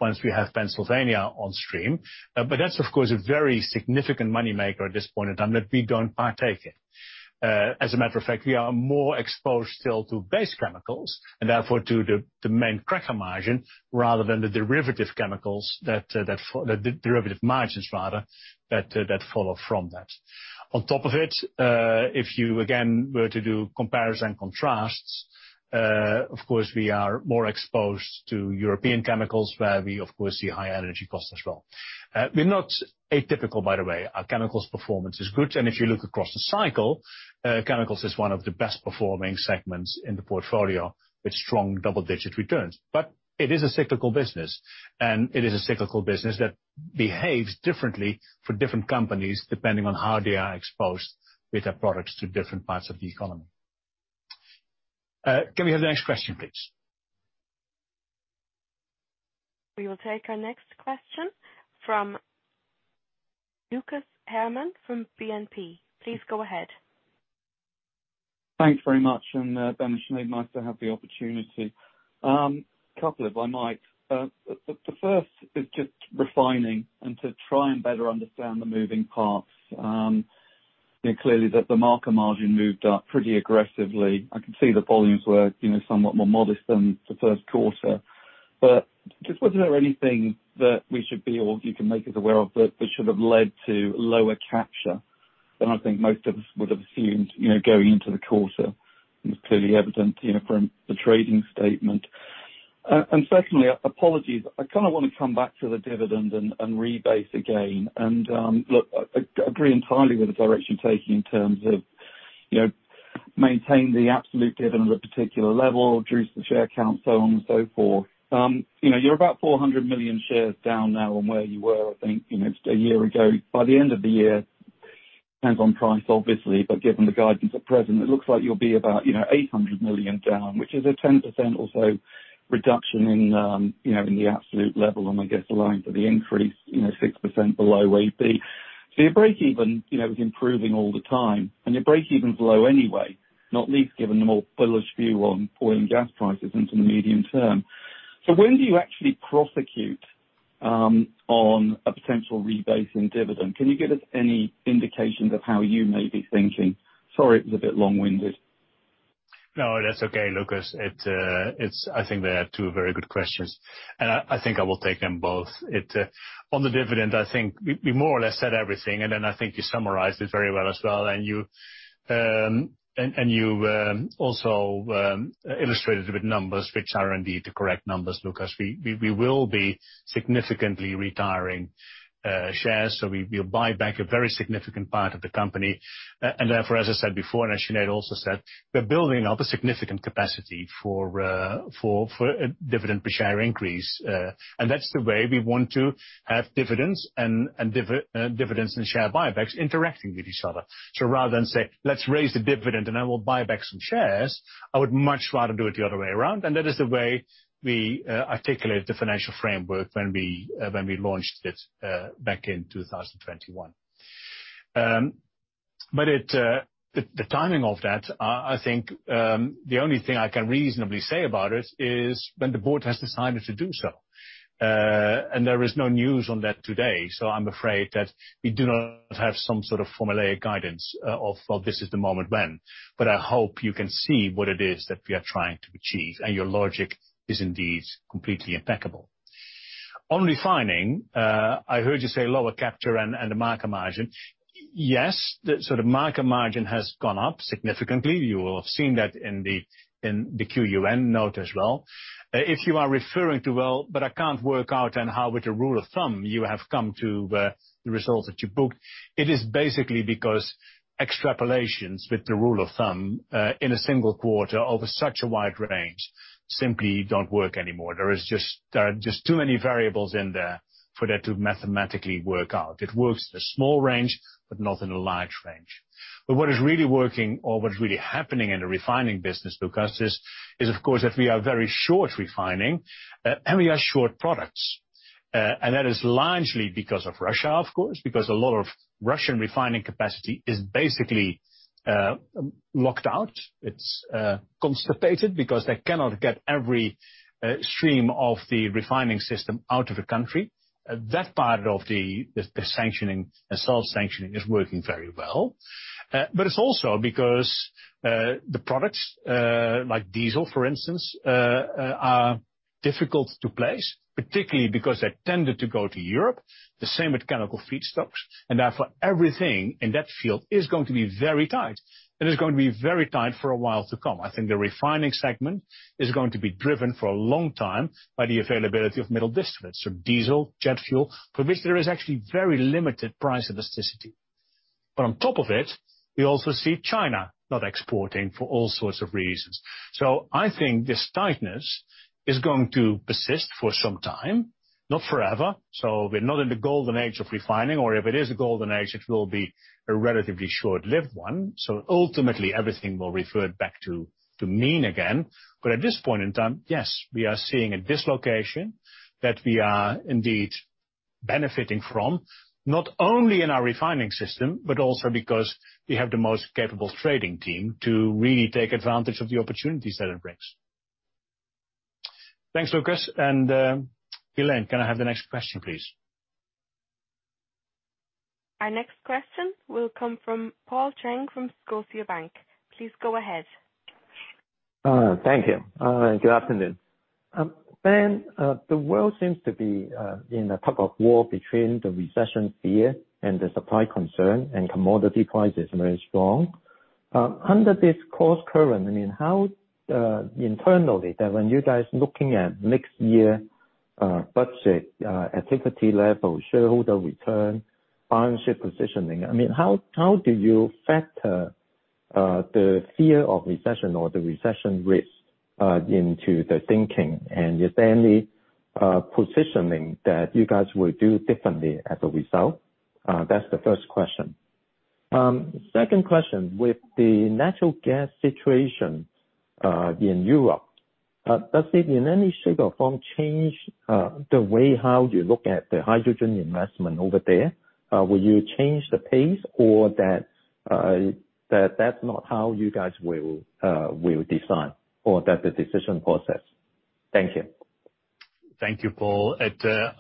once we have Pennsylvania on stream. That's of course a very significant money maker at this point in time that we don't partake in. As a matter of fact, we are more exposed still to base chemicals, and therefore to the main cracker margin rather than the derivative chemicals, the derivative margins that follow from that. On top of it, if you again were to do comparison contrasts, of course we are more exposed to European chemicals where we of course see high energy costs as well. We're not atypical by the way, our chemicals performance is good, and if you look across the cycle, chemicals is one of the best performing segments in the portfolio with strong double-digit returns. It is a cyclical business, and it is a cyclical business that behaves differently for different companies depending on how they are exposed with their products to different parts of the economy. Can we have the next question please? We will take our next question from Lucas Herrmann from BNP. Please go ahead. Thanks very much, Ben and Sinead, nice to have the opportunity. A couple if I might. The first is just refining and to try and better understand the moving parts. You know, clearly the marker margin moved up pretty aggressively. I can see the volumes were, you know, somewhat more modest than the first quarter. But was there anything that we should be or you can make us aware of that should have led to lower capture than I think most of us would've assumed, you know, going into the quarter, and was clearly evident, you know, from the trading statement. And secondly, apologies. I kinda wanna come back to the dividend and rebase again. Look, I agree entirely with the direction you're taking in terms of, you know, maintain the absolute dividend at a particular level, reduce the share count, so on and so forth. You know, you're about 400 million shares down now on where you were, I think, you know, a year ago. By the end of the year, depends on price obviously, but given the guidance at present, it looks like you'll be about, you know, 800 million down, which is a 10% or so reduction in, you know, in the absolute level, and I guess allowing for the increase, you know, 6% below AB. Your breakeven, you know, is improving all the time, and your breakeven's low anyway, not least given the more bullish view on oil and gas prices into the medium term. When do you actually project on a potential rebase in dividend? Can you give us any indications of how you may be thinking? Sorry, it was a bit long-winded. No, that's okay, Lucas. I think they are two very good questions, and I think I will take them both. On the dividend, I think we more or less said everything, and then I think you summarized it very well as well. You also illustrated with numbers which are indeed the correct numbers, Lucas. We will be significantly retiring shares, so we'll buy back a very significant part of the company. Therefore, as I said before, and as Sinead also said, we're building up a significant capacity for dividend per share increase. That's the way we want to have dividends and share buybacks interacting with each other. Rather than say, "Let's raise the dividend, and I will buy back some shares," I would much rather do it the other way around, and that is the way we articulate the financial framework when we launched it back in 2021. It, the timing of that, I think, the only thing I can reasonably say about it is when the board has decided to do so. There is no news on that today, so I'm afraid that we do not have some sort of formulaic guidance of, well, this is the moment when. I hope you can see what it is that we are trying to achieve, and your logic is indeed completely impeccable. On refining, I heard you say lower capture and the marker margin. Yes, the sort of marketing margin has gone up significantly. You will have seen that in the Q2 update note as well. If you are referring to, "Well, but I can't work out then how with the rule of thumb you have come to the results that you booked," it is basically because extrapolations with the rule of thumb in a single quarter over such a wide range simply don't work anymore. There are just too many variables in there for that to mathematically work out. It works in a small range, but not in a large range. What is really working or what is really happening in the refining business, Lucas, is of course that we are very short refining, and we are short products. And that is largely because of Russia, of course, because a lot of Russian refining capacity is basically locked out. It's constipated because they cannot get every stream of the refining system out of the country. That part of the sanctioning, that's all sanctioning is working very well. But it's also because the products like diesel, for instance, are difficult to place, particularly because they tended to go to Europe, the same with chemical feedstocks. And therefore, everything in that field is going to be very tight and is going to be very tight for a while to come. I think the refining segment is going to be driven for a long time by the availability of middle distillates, so diesel, jet fuel, for which there is actually very limited price elasticity. On top of it, we also see China not exporting for all sorts of reasons. I think this tightness is going to persist for some time, not forever. We're not in the golden age of refining, or if it is a golden age, it will be a relatively short-lived one. Ultimately everything will revert back to mean again. At this point in time, yes, we are seeing a dislocation that we are indeed benefiting from, not only in our refining system, but also because we have the most capable trading team to really take advantage of the opportunities that it brings. Thanks, Lucas. Elaine, can I have the next question, please? Our next question will come from Paul Cheng from Scotiabank. Please go ahead. Thank you. Good afternoon. Ben, the world seems to be in a tug-of-war between the recession fear and the supply concern, and commodity price is very strong. Under this cross current, I mean, how internally, when you guys looking at next year, budget, activity level, shareholder return, financial positioning, I mean, how do you factor the fear of recession or the recession risk into the thinking? Is there any positioning that you guys will do differently as a result? That's the first question. Second question, with the natural gas situation in Europe, does it in any shape or form change the way how you look at the hydrogen investment over there? Will you change the pace or that's not how you guys will decide or that decision process? Thank you. Thank you, Paul.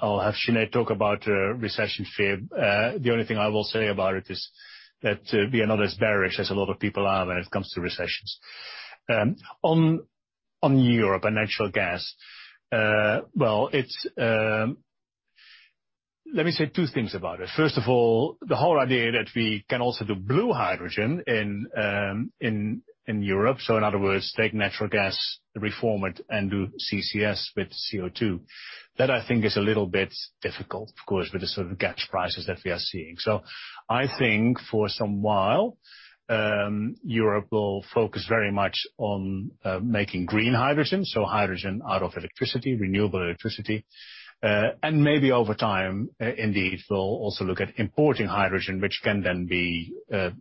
I'll have Sinead talk about recession fear. The only thing I will say about it is that we are not as bearish as a lot of people are when it comes to recessions. On Europe and natural gas, let me say two things about it. First of all, the whole idea that we can also do blue hydrogen in Europe. In other words, take natural gas, reform it and do CCS with CO2. That, I think, is a little bit difficult, of course, with the sort of gas prices that we are seeing. I think for some while, Europe will focus very much on making green hydrogen, so hydrogen out of electricity, renewable electricity. Maybe over time, indeed, we'll also look at importing hydrogen, which can then be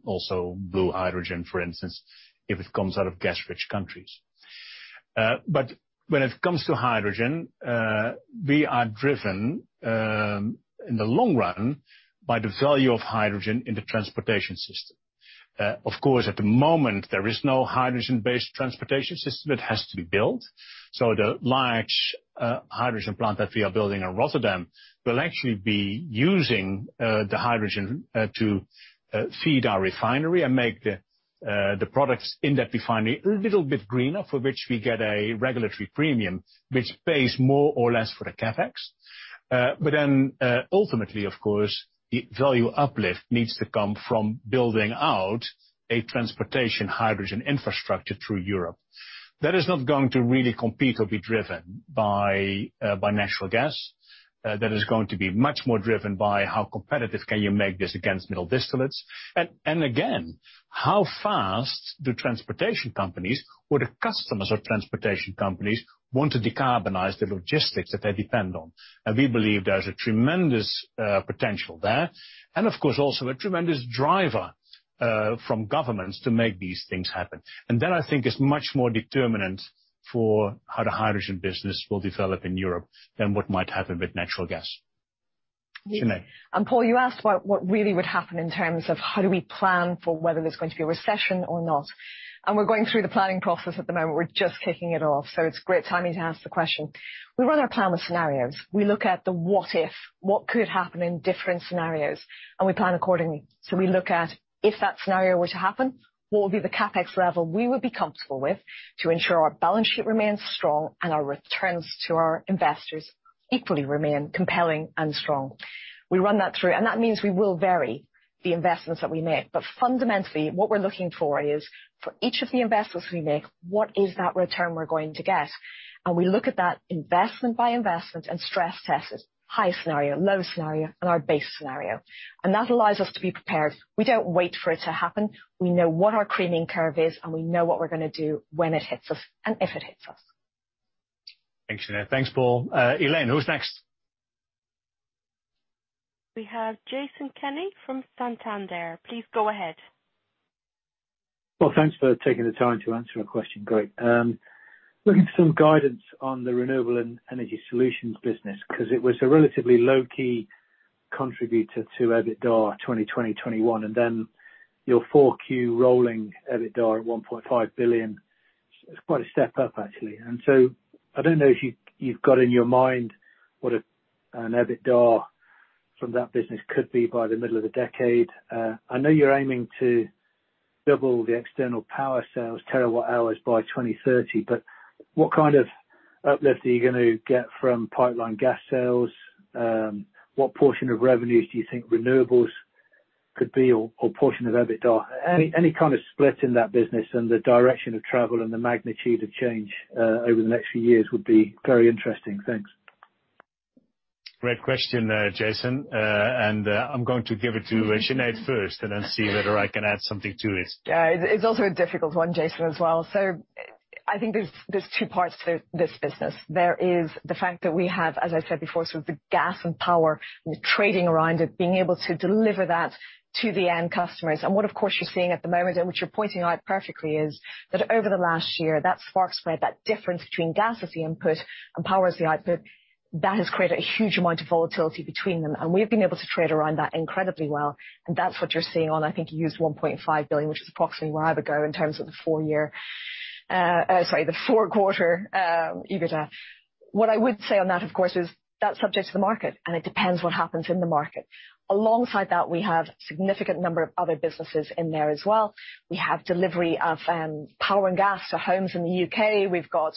also blue hydrogen, for instance, if it comes out of gas-rich countries. When it comes to hydrogen, we are driven in the long run by the value of hydrogen in the transportation system. Of course, at the moment, there is no hydrogen-based transportation system. It has to be built. The large hydrogen plant that we are building in Rotterdam will actually be using the hydrogen to feed our refinery and make the products in that refinery a little bit greener, for which we get a regulatory premium, which pays more or less for the CapEx. Ultimately, of course, value uplift needs to come from building out a transportation hydrogen infrastructure through Europe. That is not going to really compete or be driven by natural gas. That is going to be much more driven by how competitive can you make this against middle distillates, and again, how fast the transportation companies or the customers of transportation companies want to decarbonize the logistics that they depend on. We believe there's a tremendous potential there. Of course, also a tremendous driver from governments to make these things happen. That I think is much more determinant for how the hydrogen business will develop in Europe than what might happen with natural gas. Sinead. Paul, you asked what really would happen in terms of how do we plan for whether there's going to be a recession or not. We're going through the planning process at the moment. We're just kicking it off. It's great timing to ask the question. We run our plan with scenarios. We look at the what if, what could happen in different scenarios, and we plan accordingly. We look at if that scenario were to happen, what will be the CapEx level we would be comfortable with to ensure our balance sheet remains strong and our returns to our investors equally remain compelling and strong. We run that through, and that means we will vary the investments that we make. Fundamentally, what we're looking for is for each of the investments we make, what is that return we're going to get? We look at that investment by investment and stress test it, high scenario, low scenario, and our base scenario. That allows us to be prepared. We don't wait for it to happen. We know what our creaming curve is, and we know what we're gonna do when it hits us and if it hits us. Thanks, Sinead. Thanks, Paul. Elaine, who's next? We have Jason Kenney from Santander. Please go ahead. Well, thanks for taking the time to answer a question, Ben. Looking for some guidance on the renewable energy solutions business, 'cause it was a relatively low-key contributor to EBITDA 2020, 2021, and then your 4Q rolling EBITDA at $1.5 billion. It's quite a step up actually. I don't know if you've got in your mind what an EBITDA from that business could be by the middle of the decade. I know you're aiming to double the external power sales terawatt hours by 2030, but what kind of uplift are you gonna get from pipeline gas sales? What portion of revenues do you think renewables could be or portion of EBITDA? Any kind of split in that business and the direction of travel and the magnitude of change over the next few years would be very interesting. Thanks. Great question, Jason. I'm going to give it to Sinead first and then see whether I can add something to it. Yeah. It's also a difficult one, Jason, as well. I think there's two parts to this business. There is the fact that we have, as I said before, sort of the gas and power and the trading around it, being able to deliver that to the end customers. What, of course, you're seeing at the moment, and which you're pointing out perfectly, is that over the last year, that spark spread, that difference between gas as the input and power as the output, that has created a huge amount of volatility between them. We've been able to trade around that incredibly well, and that's what you're seeing on. I think you used $1.5 billion, which is approximately where I would go in terms of the four-quarter EBITDA. What I would say on that, of course, is that's subject to the market, and it depends what happens in the market. Alongside that, we have significant number of other businesses in there as well. We have delivery of power and gas to homes in the U.K. We've got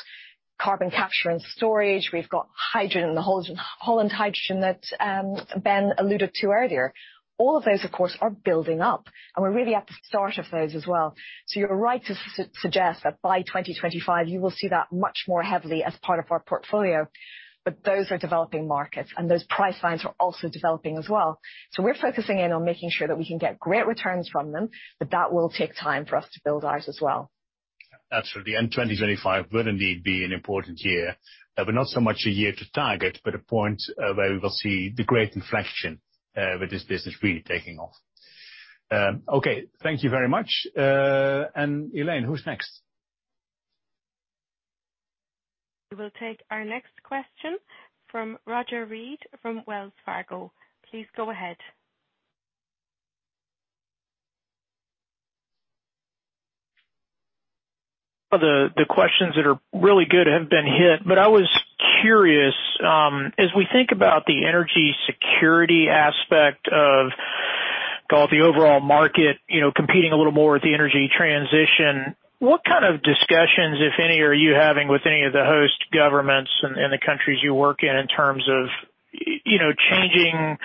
carbon capture and storage. We've got hydrogen and the whole Holland Hydrogen I that Ben alluded to earlier. All of those, of course, are building up, and we're really at the start of those as well. You're right to suggest that by 2025 you will see that much more heavily as part of our portfolio. Those are developing markets, and those price points are also developing as well. We're focusing in on making sure that we can get great returns from them, but that will take time for us to build out as well. Absolutely. 2025 will indeed be an important year, but not so much a year to target, but a point where we will see the great inflection with this business really taking off. Okay. Thank you very much. Elaine, who's next? We will take our next question from Roger Read from Wells Fargo. Please go ahead. The questions that are really good have been hit, but I was curious, as we think about the energy security aspect of call it the overall market, you know, competing a little more with the energy transition, what kind of discussions, if any, are you having with any of the host governments in the countries you work in in terms of, you know, changing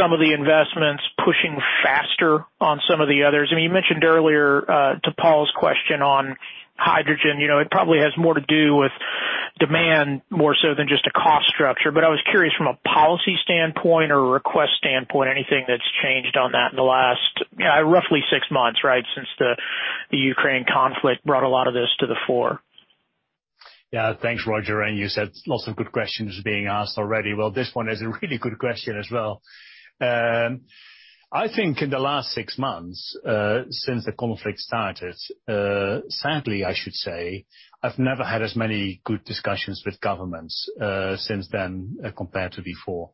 some of the investments, pushing faster on some of the others? I mean, you mentioned earlier, to Paul's question on hydrogen, you know, it probably has more to do with demand more so than just a cost structure. I was curious from a policy standpoint or a request standpoint, anything that's changed on that in the last, you know, roughly six months, right? Since the Ukraine conflict brought a lot of this to the fore. Yeah. Thanks, Roger. You said lots of good questions being asked already. Well, this one is a really good question as well. I think in the last six months, since the conflict started, sadly, I should say, I've never had as many good discussions with governments, since then, compared to before.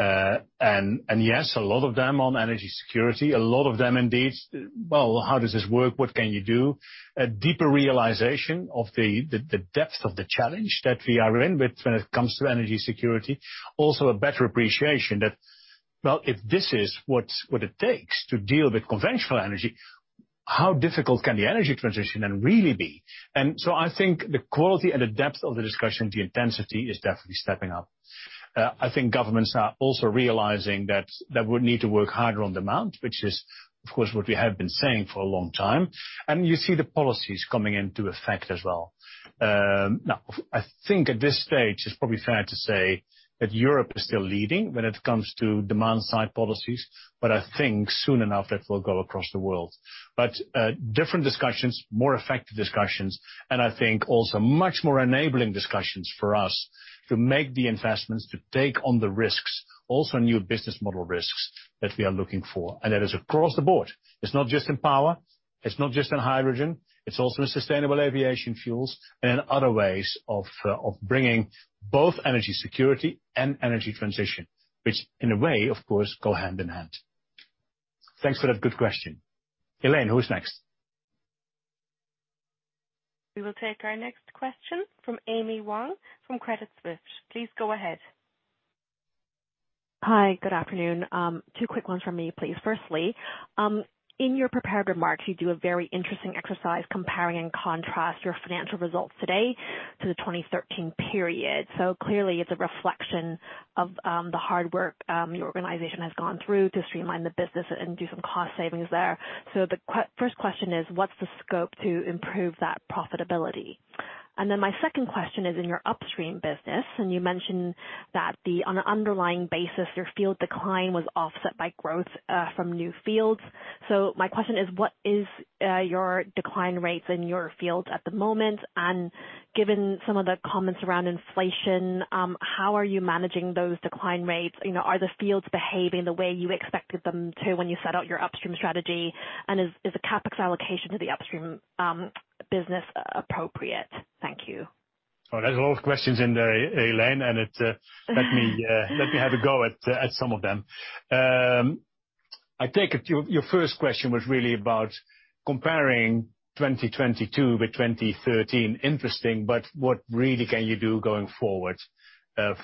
Yes, a lot of them on energy security, a lot of them indeed, well, how does this work? What can you do? A deeper realization of the depth of the challenge that we are in with when it comes to energy security. Also a better appreciation that, well, if this is what it takes to deal with conventional energy, how difficult can the energy transition then really be? I think the quality and the depth of the discussions, the intensity, is definitely stepping up. I think governments are also realizing that they would need to work harder on demand, which is, of course, what we have been saying for a long time. You see the policies coming into effect as well. Now, I think at this stage it's probably fair to say that Europe is still leading when it comes to demand-side policies, but I think soon enough it will go across the world. Different discussions, more effective discussions, and I think also much more enabling discussions for us to make the investments, to take on the risks, also new business model risks that we are looking for. That is across the board. It's not just in power, it's not just in hydrogen, it's also in sustainable aviation fuels, and in other ways of bringing both energy security and energy transition, which in a way, of course, go hand in hand. Thanks for that good question. Elaine, who is next? We will take our next question from Amy Wong from Credit Suisse. Please go ahead. Hi. Good afternoon. Two quick ones from me, please. Firstly, in your prepared remarks, you do a very interesting exercise comparing and contrast your financial results today to the 2013 period. Clearly it's a reflection of the hard work your organization has gone through to streamline the business and do some cost savings there. First question is, what's the scope to improve that profitability? And then my second question is in your upstream business, and you mentioned that on an underlying basis, your field decline was offset by growth from new fields. My question is, what is your decline rates in your fields at the moment? And given some of the comments around inflation, how are you managing those decline rates? You know, are the fields behaving the way you expected them to when you set out your upstream strategy? Is the CapEx allocation to the upstream business appropriate? Thank you. Well, there's a lot of questions in there, Elaine. Let me have a go at some of them. I take it your first question was really about comparing 2022 with 2013. Interesting, but what really can you do going forward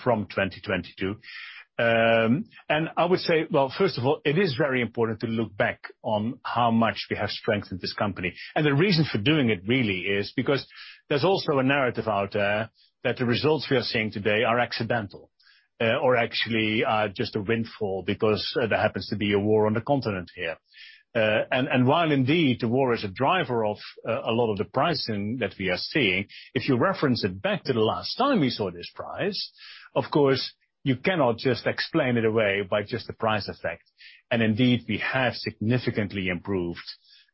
from 2022? I would say, well, first of all, it is very important to look back on how much we have strengthened this company. The reason for doing it really is because there's also a narrative out there that the results we are seeing today are accidental or actually just a windfall because there happens to be a war on the continent here. While indeed the war is a driver of a lot of the pricing that we are seeing, if you reference it back to the last time we saw this price, of course, you cannot just explain it away by just the price effect. Indeed, we have significantly improved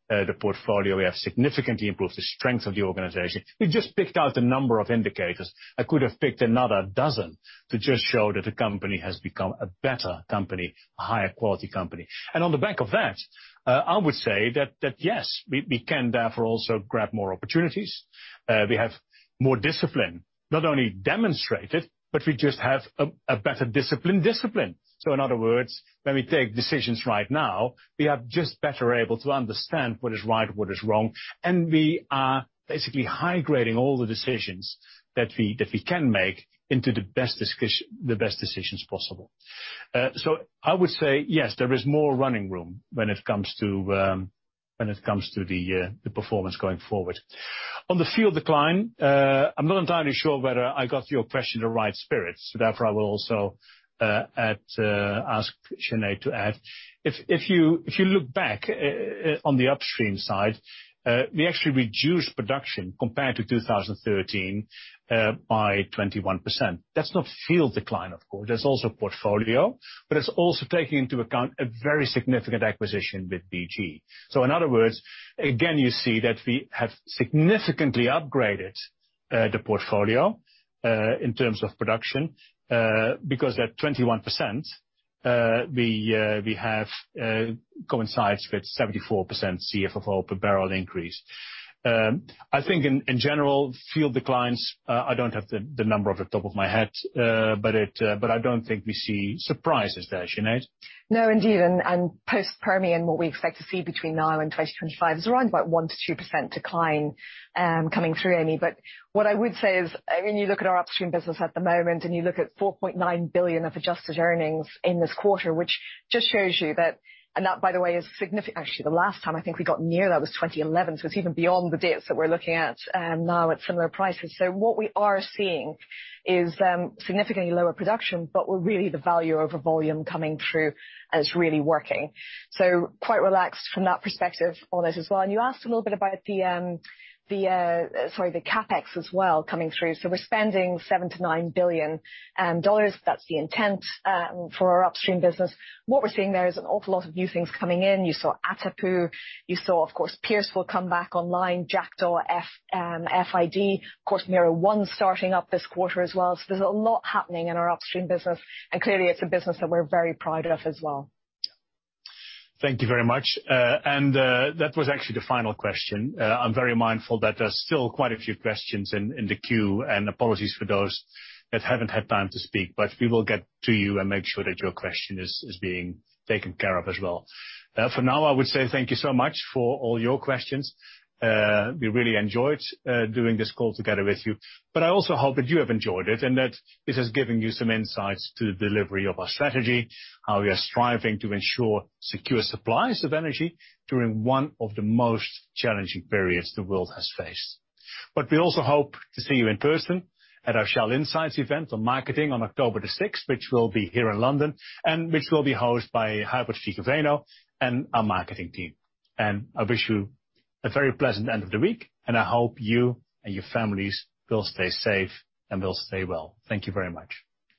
the portfolio. We have significantly improved the strength of the organization. We've just picked out a number of indicators. I could have picked another dozen to just show that the company has become a better company, a higher quality company. On the back of that, I would say that yes, we can therefore also grab more opportunities. We have more discipline, not only demonstrated, but we just have a better discipline. In other words, when we take decisions right now, we are just better able to understand what is right, what is wrong, and we are basically high-grading all the decisions that we can make into the best decisions possible. I would say, yes, there is more running room when it comes to the performance going forward. On the field decline, I'm not entirely sure whether I got your question in the right spirit, therefore I will also ask Sinead to add. If you look back on the upstream side, we actually reduced production compared to 2013 by 21%. That's not field decline, of course. That's also portfolio, but it's also taking into account a very significant acquisition with BG. In other words, again, you see that we have significantly upgraded the portfolio in terms of production because that 21% we have coincides with 74% CFFO per barrel increase. I think in general, field declines, I don't have the number off the top of my head, but I don't think we see surprises there. Sinead? No, indeed, post-Permian, what we expect to see between now and 2025 is around about 1%-2% decline coming through, Amy. But what I would say is, I mean, you look at our upstream business at the moment, and you look at $4.9 billion of adjusted earnings in this quarter, which just shows you that. That, by the way, actually the last time I think we got near that was 2011, so it's even beyond the dates that we're looking at now at similar prices. What we are seeing is significantly lower production, but we're really the value over volume coming through, and it's really working. Quite relaxed from that perspective on it as well. You asked a little bit about the, sorry, the CapEx as well coming through. We're spending $7 billion-$9 billion. That's the intent for our upstream business. What we're seeing there is an awful lot of new things coming in. You saw Atapu. You saw, of course, Pierce will come back online, Jackdaw, FID. Of course, Mero 1 starting up this quarter as well. There's a lot happening in our upstream business, and clearly it's a business that we're very proud of as well. Thank you very much. That was actually the final question. I'm very mindful that there's still quite a few questions in the queue, and apologies for those that haven't had time to speak. We will get to you and make sure that your question is being taken care of as well. For now, I would say thank you so much for all your questions. We really enjoyed doing this call together with you. I also hope that you have enjoyed it, and that this has given you some insights to the delivery of our strategy, how we are striving to ensure secure supplies of energy during one of the most challenging periods the world has faced. We also hope to see you in person at our Shell Insights event on marketing on October 6th, which will be here in London, and which will be hosted by Huibert Vigeveno and our marketing team. I wish you a very pleasant end of the week, and I hope you and your families will stay safe and will stay well. Thank you very much.